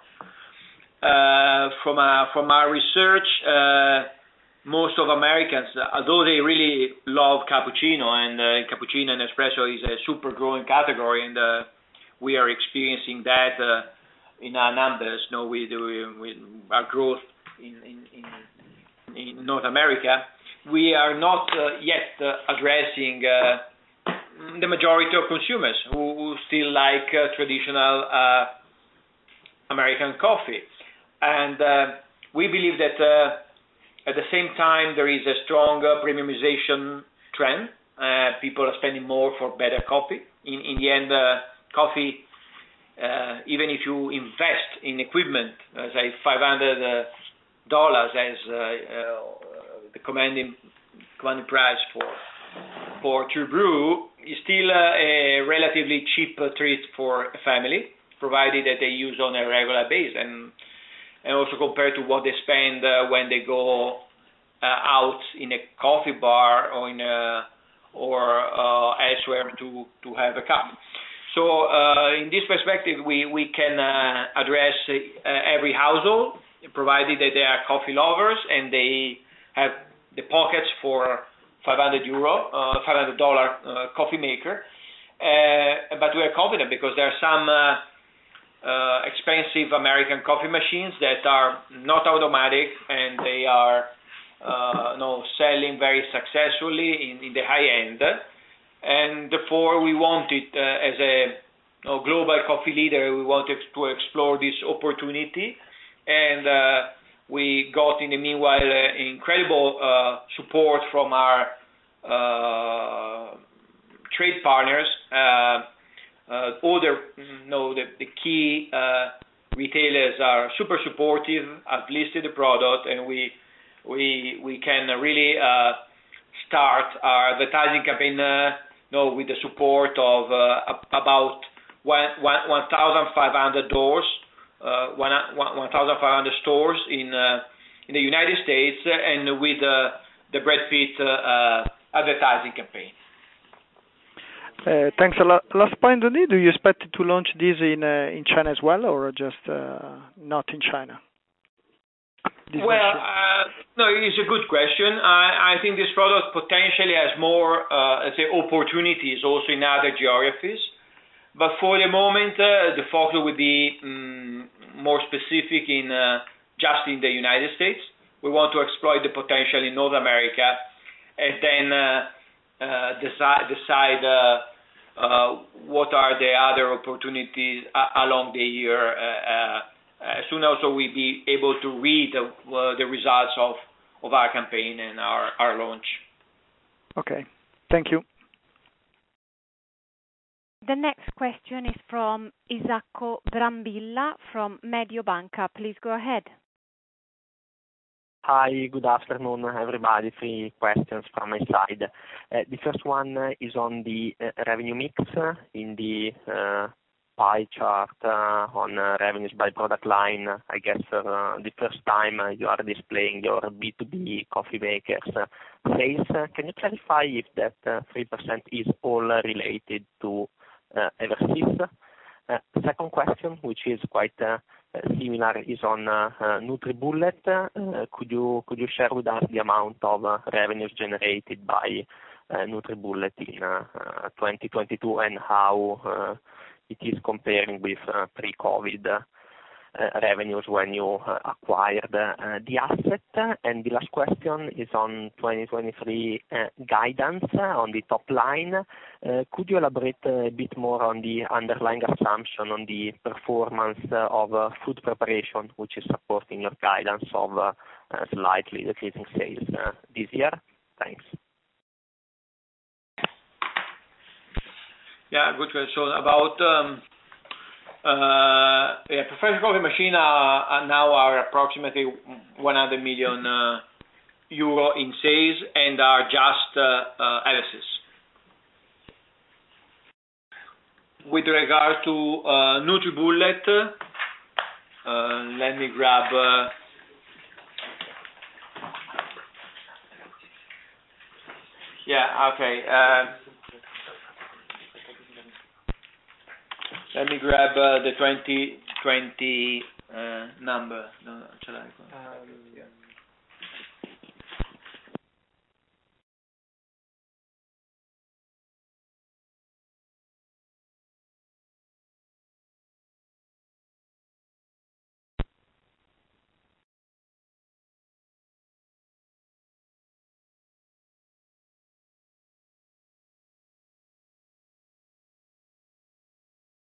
From our research, most Americans, although they really love cappuccino, and cappuccino and espresso is a super growing category, and we are experiencing that in our numbers. You know, we do with our growth in North America. We are not yet addressing the majority of consumers who still like traditional American coffee. We believe that at the same time, there is a strong premiumization trend. People are spending more for better coffee. In the end, coffee, even if you invest in equipment, let's say $500 as the commanding price for TrueBrew, is still a relatively cheap treat for a family, provided that they use on a regular basis and also compared to what they spend when they go out in a coffee bar or elsewhere to have a cup. In this perspective, we can address every household, provided that they are coffee lovers and they have the pockets for 500 euro, $500 coffee maker. We are confident because there are some expensive American coffee machines that are not automatic, and they are, you know, selling very successfully in the high end. Therefore, we want it, as a, you know, global coffee leader, we wanted to explore this opportunity. We got, in the meanwhile, incredible support from our trade partners. All the, you know, the key retailers are super supportive, have listed the product, and we can really start our advertising campaign, you know, with the support of about 1,500 doors, 1,500 stores in the United States and with the Brad Pitt advertising campaign. Thanks a lot. Last point, Longhi. Do you expect to launch this in China as well, or just not in China? Well, no, it is a good question. I think this product potentially has more, let's say, opportunities also in other geographies. For the moment, the focus would be more specific in just the United States. We want to exploit the potential in North America and then decide what are the other opportunities along the year, as soon also we'll be able to read the results of our campaign and our launch. Okay. Thank you. The next question is from Isacco Brambilla from Mediobanca. Please go ahead. Hi, good afternoon, everybody. Three questions from my side. The first one, is on the, revenue mix in the, pie chart, on revenues by product line. I guess, the first time you are displaying your B2B coffee makers sales. Can you clarify if that, 3% is all related to, Eversys? Second question, which is quite, similar, is on, NutriBullet. Could you share with us the amount of revenues generated by, NutriBullet in, 2022 and how, it is comparing with, pre-COVID, revenues when you acquired, the asset? The last question is on 2023, guidance on the top line. Could you elaborate a bit more on the underlying assumption on the performance of food preparation, which is supporting your guidance of slightly decreasing sales this year? Thanks. Yeah, good question. About, yeah, professional coffee machine are now approximately 100 million euro in sales and are just Eversys. With regard to NutriBullet, Yeah. Okay. Let me grab the 2020 number.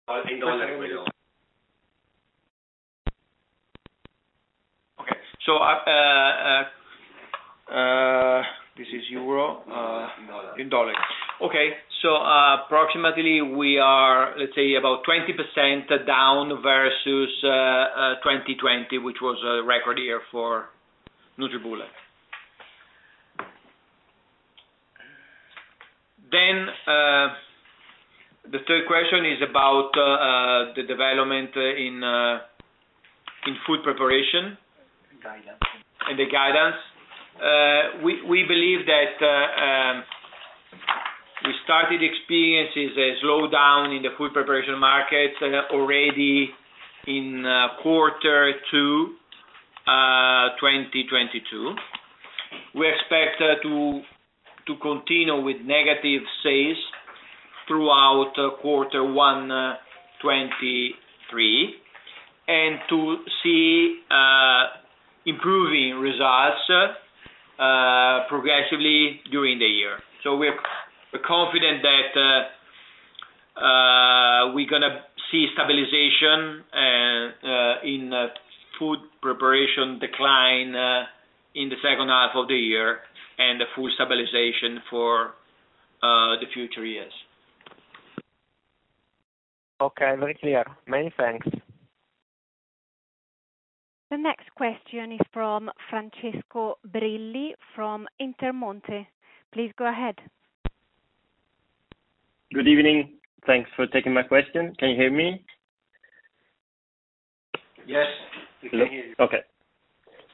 Yeah. In dollar. Okay. This is euro. In dollar. In dollar. Okay. Approximately we are, let's say about 20% down versus 2020, which was a record year for NutriBullet. The third question is about the development in food preparation. Guidance. The guidance. We believe that we started experiences a slowdown in the food preparation market already in quarter two 2022. We expect to continue with negative sales throughout quarter one 2023 and to see improving results progressively during the year. We're confident that we're gonna see stabilization in food preparation decline in the second half of the year and the full stabilization for the future years. Okay. Very clear. Many thanks. The next question is from Francesco Brilli from Intermonte. Please go ahead. Good evening. Thanks for taking my question. Can you hear me? Yes, we can hear you. Okay.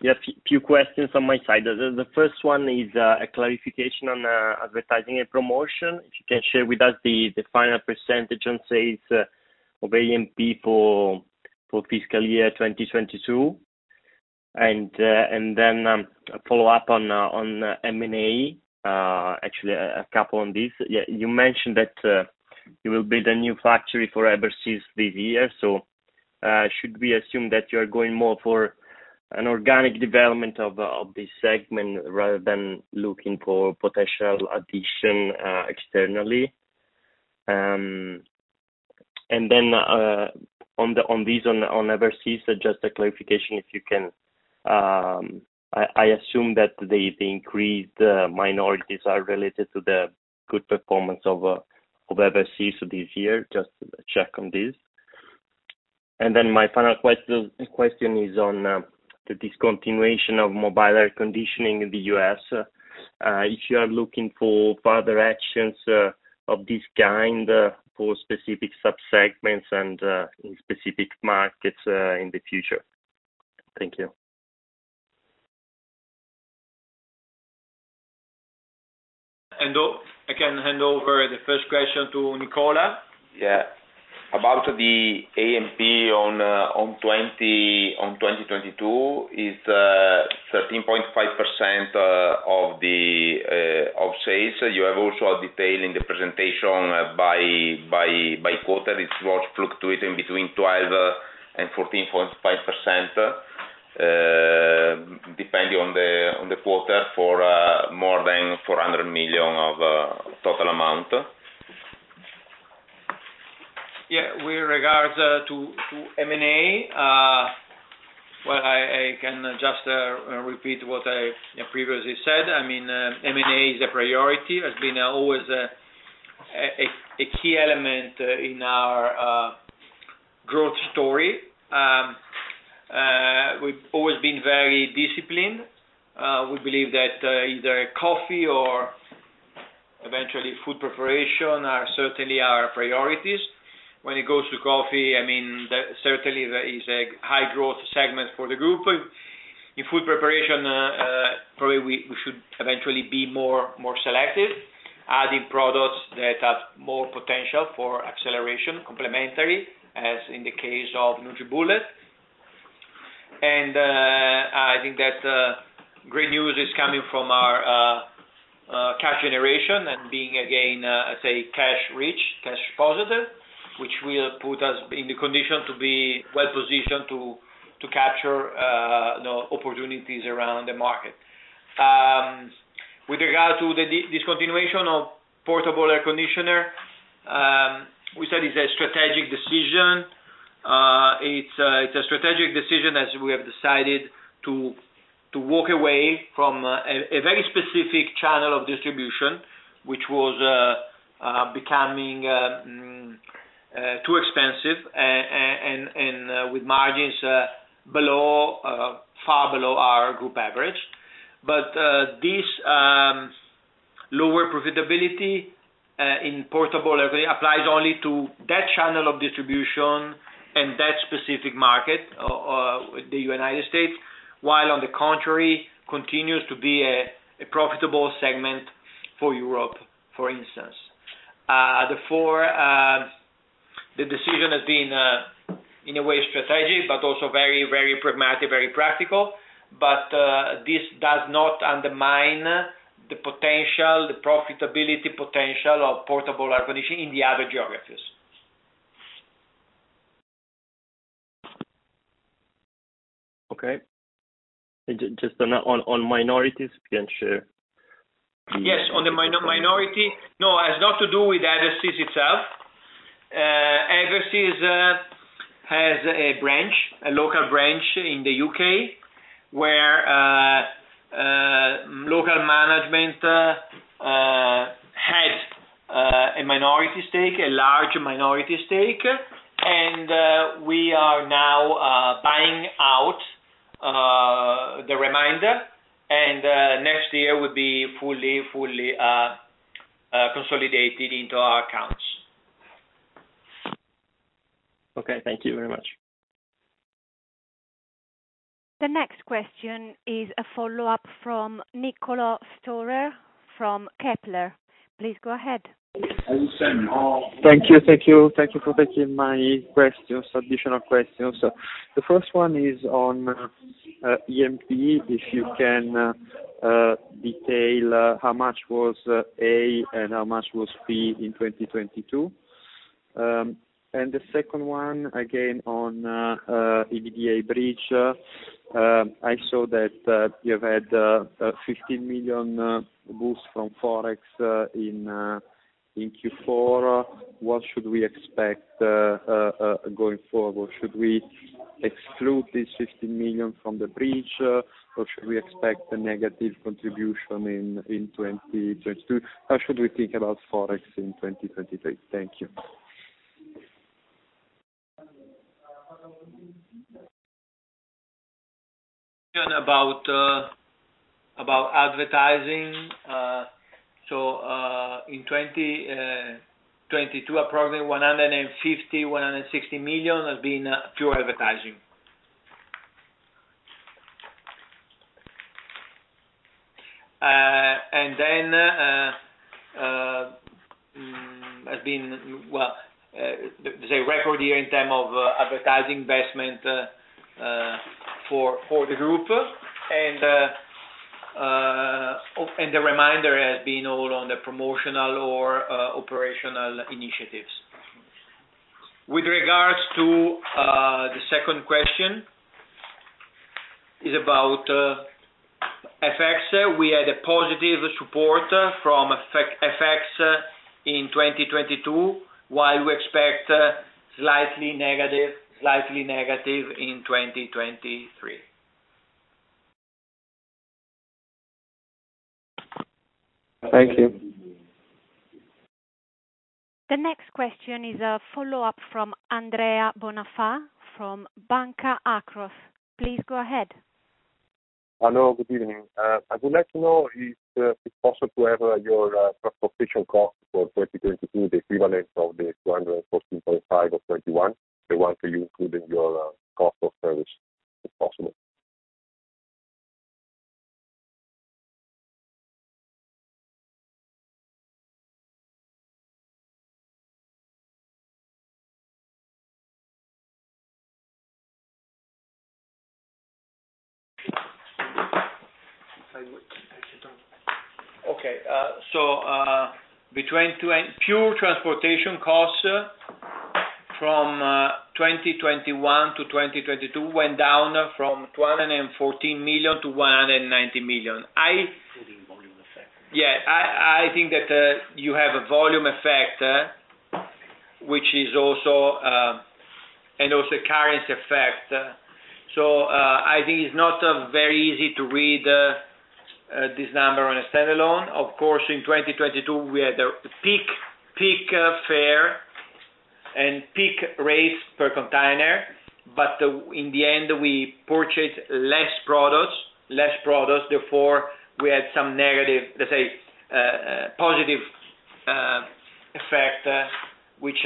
Yes. Few questions on my side. The first one is a clarification on advertising and promotion. If you can share with us the final percentage on sales of AMP for fiscal year 2022. Then a follow-up on M&A. Actually a couple on this. You mentioned that you will build a new factory for Eversys this year. Should we assume that you are going more for an organic development of this segment rather than looking for potential addition externally? On Eversys, just a clarification if you can. I assume that the increased minorities are related to the good performance of Eversys this year. Just check on this. My final question is on the discontinuation of mobile air conditioning in the U.S., if you are looking for further actions of this kind, for specific subsegments and in specific markets in the future. Thank you. I can hand over the first question to Nicola. About the AMP on 2022, it's 13.5% of sales. You have also a detail in the presentation by quarter. It was fluctuating between 12% and 14.5%, depending on the quarter for more than 400 million of total amount. Yeah. With regards to M&A, well, I can just repeat what I, you know, previously said. I mean, M&A is a priority, has been always a key element in our growth story. We've always been very disciplined. We believe that either coffee or eventually food preparation are certainly our priorities. When it goes to coffee, I mean, certainly there is a high growth segment for the group. In food preparation, probably we should eventually be more selective, adding products that have more potential for acceleration, complementary, as in the case of NutriBullet. I think that great news is coming from our cash generation and being again cash rich, cash positive, which will put us in the condition to be well-positioned to capture, you know, opportunities around the market. With regard to the discontinuation of portable air conditioner, we said it's a strategic decision. It's a strategic decision as we have decided to walk away from a very specific channel of distribution, which was becoming too expensive and with margins below far below our group average. This lower profitability in portable applies only to that channel of distribution and that specific market, the United States. While on the contrary, continues to be a profitable segment for Europe, for instance. Therefore, the decision has been in a way strategic, but also very, very pragmatic, very practical. This does not undermine the potential, the profitability potential of portable air conditioning in the other geographies. Okay. Just on minorities, if you can share? Yes. On the minority. No, it has not to do with Eversys itself. Eversys has a branch, a local branch in the UK, where local management had a minority stake, a large minority stake. We are now buying out the remainder, and next year will be fully consolidated into our accounts. Okay. Thank you very much. The next question is a follow-up from Niccolò Storer from Kepler. Please go ahead. How are you saying? Thank you. Thank you for taking my questions, additional questions. The first one is on AMP, if you can detail how much was A and how much was B in 2022. The second one, again, on EBITDA bridge. I saw that you've had 15 million boost from Forex in Q4. What should we expect going forward? Should we exclude this 15 million from the bridge, or should we expect a negative contribution in 2022? How should we think about Forex in 2023? Thank you. About advertising. In 2022, approximately 150 million-160 million has been pure advertising. Has been, well, there's a record year in term of advertising investment for the group. The reminder has been all on the promotional or operational initiatives. With regards to the second question, is about FX. We had a positive support from FX in 2022, while we expect slightly negative in 2023. Thank you. The next question is a follow-up from Andrea Bonfà from Banca Akros. Please go ahead. Hello, good evening. I would like to know if it's possible to have your transportation cost for 2022, the equivalent of the 214.5 of 2021, the one for you, including your cost of service, if possible? Okay. Pure transportation costs from 2021-2022 went down from 214 million-190 million. Volume effect. I think that you have a volume effect, which is also current effect. I think it's not very easy to read this number on a stand-alone. Of course, in 2022, we had a peak fare and peak rates per container. In the end, we purchased less products, therefore, we had some negative, let's say, positive effect, which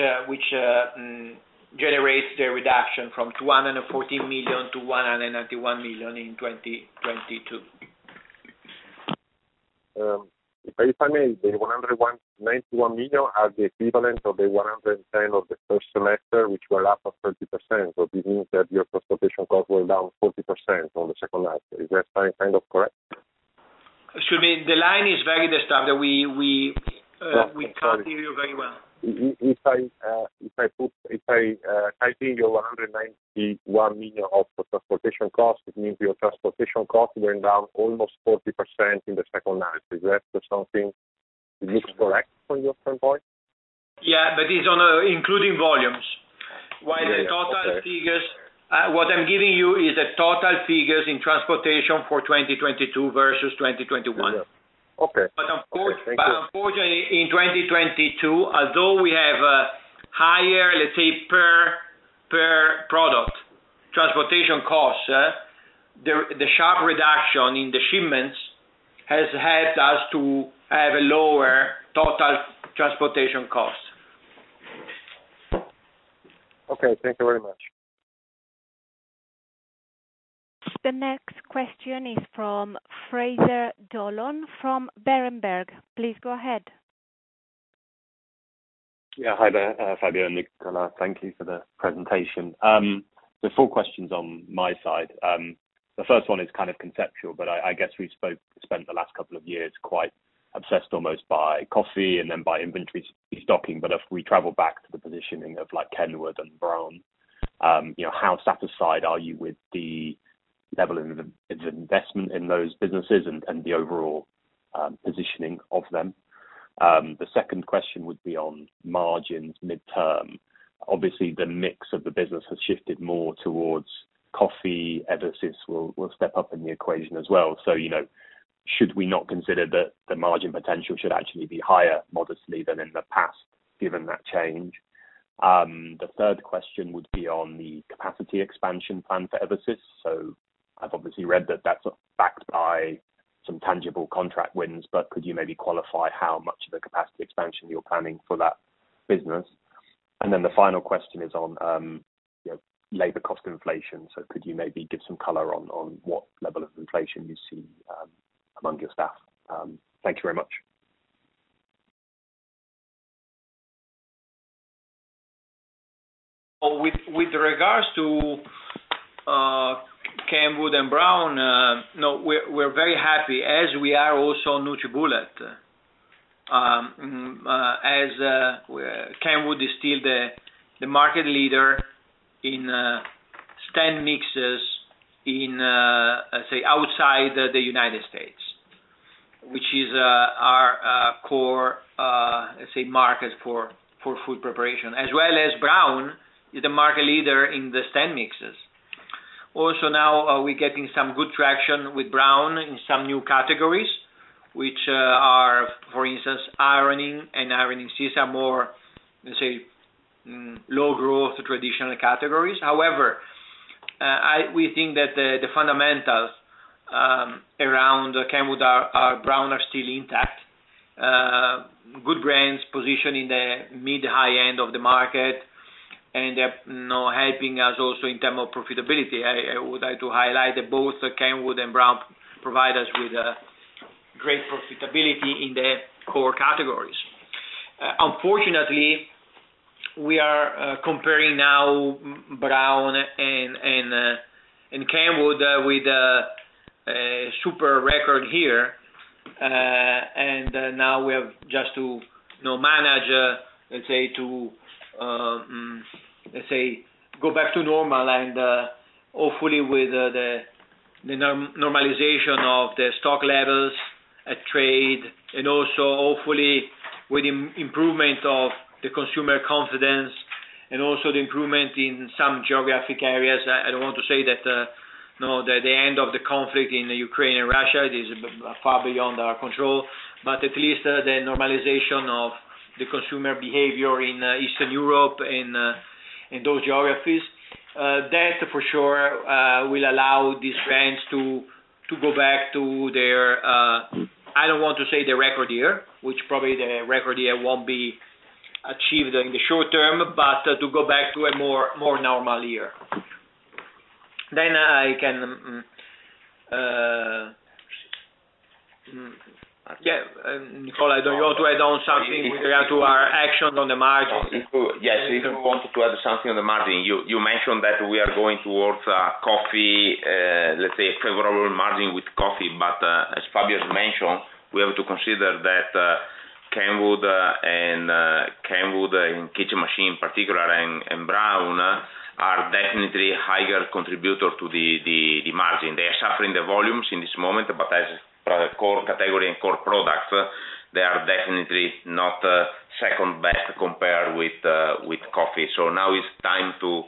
generates the reduction from 214 million-191 million in 2022. The 91 million are the equivalent of the 110 of the first semester, which were up of 30%. It means that your transportation costs were down 40% on the second half. Is that sound kind of correct? Excuse me. The line is very disturbed. We can't hear you very well. If I take your 191 million of transportation costs, it means your transportation costs went down almost 40% in the second half. Is that something looks correct from your standpoint? Yeah, but it's on, including volumes. Yeah, yeah. Okay. What I'm giving you is the total figures in transportation for 2022 versus 2021. Okay. Thank you. Unfortunately, in 2022, although we have a higher, let's say, per product transportation costs, the sharp reduction in the shipments has helped us to have a lower total transportation cost. Okay, thank you very much. The next question is from Fraser Donlon from Berenberg. Please go ahead. Hi there, Fabio and Nicola. Thank you for the presentation. There are four questions on my side. The first one is kind of conceptual, I guess we've spent the last couple of years quite obsessed, almost by coffee and then by inventory stocking. If we travel back to the positioning of like Kenwood and Braun, you know, how satisfied are you with the level of investment in those businesses and the overall positioning of them? The second question would be on margins midterm. Obviously, the mix of the business has shifted more towards coffee. Eversys will step up in the equation as well. You know, should we not consider that the margin potential should actually be higher modestly than in the past, given that change? The third question would be on the capacity expansion plan for Eversys. I've obviously read that that's backed by some tangible contract wins, but could you maybe qualify how much of the capacity expansion you're planning for that business? The final question is on labor cost inflation. Could you maybe give some color on what level of inflation you see among your staff? Thank you very much. With regards to Kenwood and Braun, no, we're very happy as we are also NutriBullet. Kenwood is still the market leader in stand mixers in, let's say, outside the United States, which is our core, let's say markets for food preparation. Braun is the market leader in the stand mixers. Now are we getting some good traction with Braun in some new categories which are, for instance, ironing and ironing system more, let's say, low growth traditional categories. We think that the fundamentals around Kenwood are Braun are still intact. Good brands positioned in the mid-high end of the market, they're, you know, helping us also in term of profitability. I would like to highlight that both Kenwood and Braun provide us with great profitability in the core categories. Unfortunately, we are comparing now Braun and Kenwood with a super record here. Now we have just to, you know, manage, let's say, to, let's say, go back to normal and hopefully with the normalization of the stock levels at trade and also hopefully with improvement of the consumer confidence and also the improvement in some geographic areas. I don't want to say that, you know, the end of the conflict in Ukraine and Russia is far beyond our control, but at least the normalization of the consumer behavior in Eastern Europe, in those geographies, that for sure will allow these brands to go back to their, I don't want to say the record year, which probably the record year won't be achieved in the short term, but to go back to a more normal year. I can. Yeah, Nicola, do you want to add on something with regard to our action on the margin? Yes. If you want to add something on the margin, you mentioned that we are going towards coffee, let's say, favorable margin with coffee. As Fabio has mentioned, we have to consider that Kenwood and Kitchen Machine particular and Braun are definitely higher contributor to the margin. They are suffering the volumes in this moment, but as core category and core products, they are definitely not second best compared with coffee. Now it's time to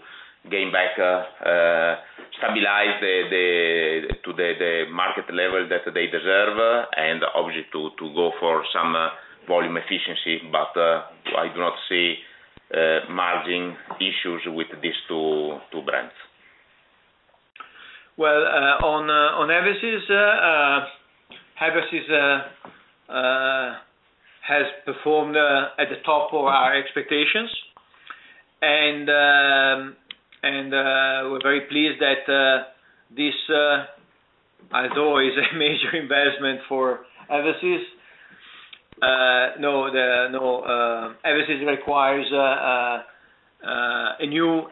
gain back stabilize the market level that they deserve, and obviously to go for some volume efficiency. I do not see margin issues with these two brands. Well, on Eversys has performed at the top of our expectations. We're very pleased that this, although is a major investment for Eversys, you know, the, you know, Eversys requires a new,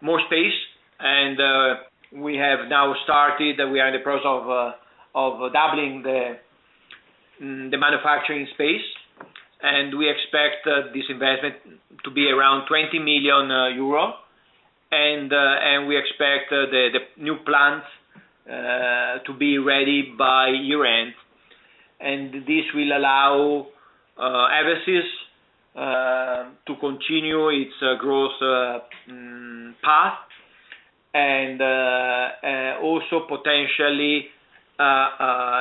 more space. We have now started, we are in the process of doubling the manufacturing space. We expect this investment to be around 20 million euro. We expect the new plant to be ready by year-end. This will allow Eversys to continue its growth path and also potentially,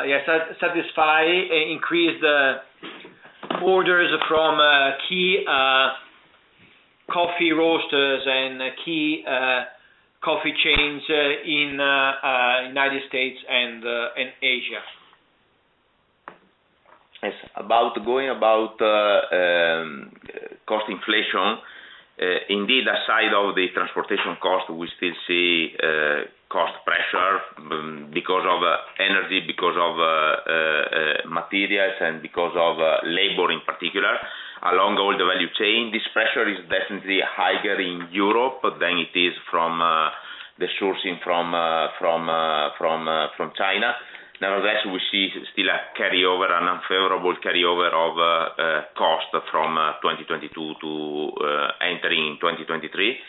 yes, satisfy increased orders from key coffee roasters and key coffee chains in United States and in Asia. Yes. About going about cost inflation, indeed, aside of the transportation cost, we still see cost pressure because of energy, because of materials and because of labor in particular. Along all the value chain, this pressure is definitely higher in Europe than it is from the sourcing from China. Nevertheless, we see still a carryover, an unfavorable carryover of cost from 2022 to entering 2023.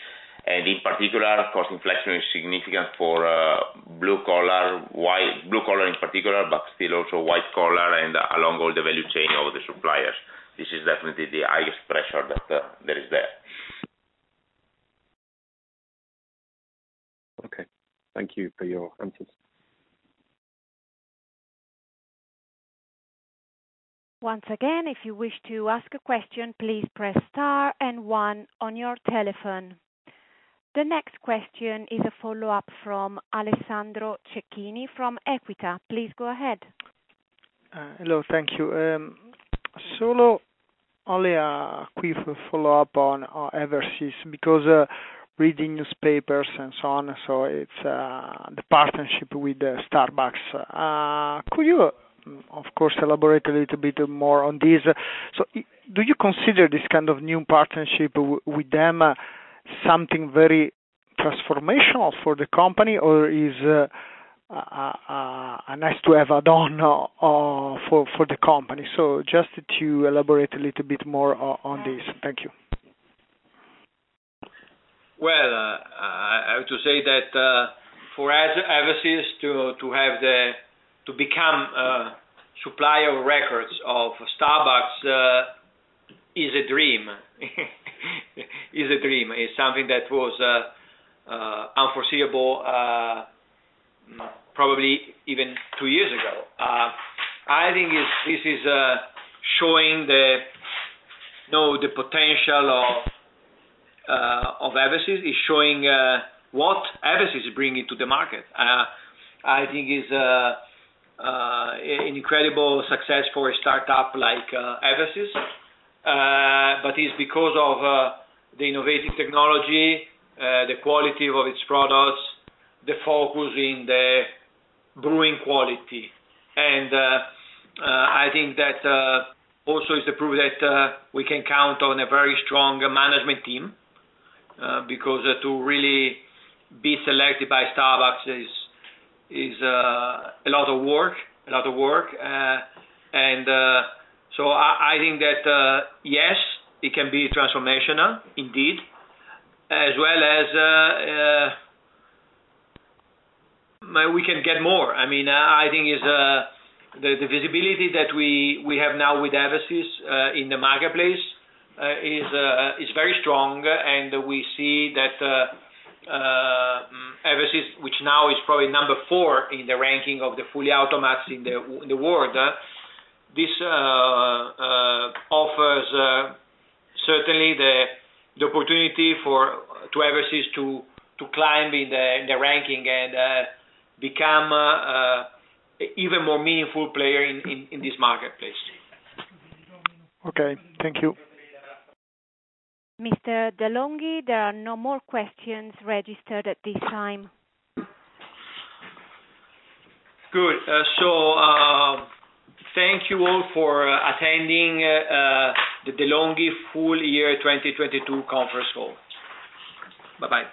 In particular, cost inflation is significant for blue collar in particular, but still also white collar and along all the value chain of the suppliers. This is definitely the highest pressure that there is there. Okay. Thank you for your answers. Once again, if you wish to ask a question, please press star and one on your telephone. The next question is a follow-up from Alessandro Cecchini from Equita. Please go ahead. Hello. Thank you. Only a quick follow-up on Eversys, because reading newspapers and so on, it's the partnership with Starbucks. Could you, of course, elaborate a little bit more on this? Do you consider this kind of new partnership with them something very transformational for the company, or is a nice-to-have add-on for the company? Just to elaborate a little bit more on this. Thank you. Well, I have to say that for Eversys to have the... To become a supplier of records of Starbucks is a dream. Is a dream, is something that was unforeseeable, probably even two years ago. I think this is showing the... You know, the potential of Eversys, is showing what Eversys is bringing to the market. I think it's an incredible success for a startup like Eversys. But it's because of the innovative technology, the quality of its products, the focus in the brewing quality. I think that also is the proof that we can count on a very strong management team, because to really be selected by Starbucks is a lot of work. I think that yes, it can be transformational indeed, as well as we can get more. I mean, I think it's the visibility that we have now with Eversys in the marketplace is very strong, and we see that Eversys, which now is probably number four in the ranking of the fully automats in the world. This offers certainly the opportunity for, to Eversys to climb in the ranking and become a even more meaningful player in, in this marketplace. Okay. Thank you. Mr. de' Longhi, there are no more questions registered at this time. Good. Thank you all for attending the De'Longhi full-year 2022 conference call. Bye-bye.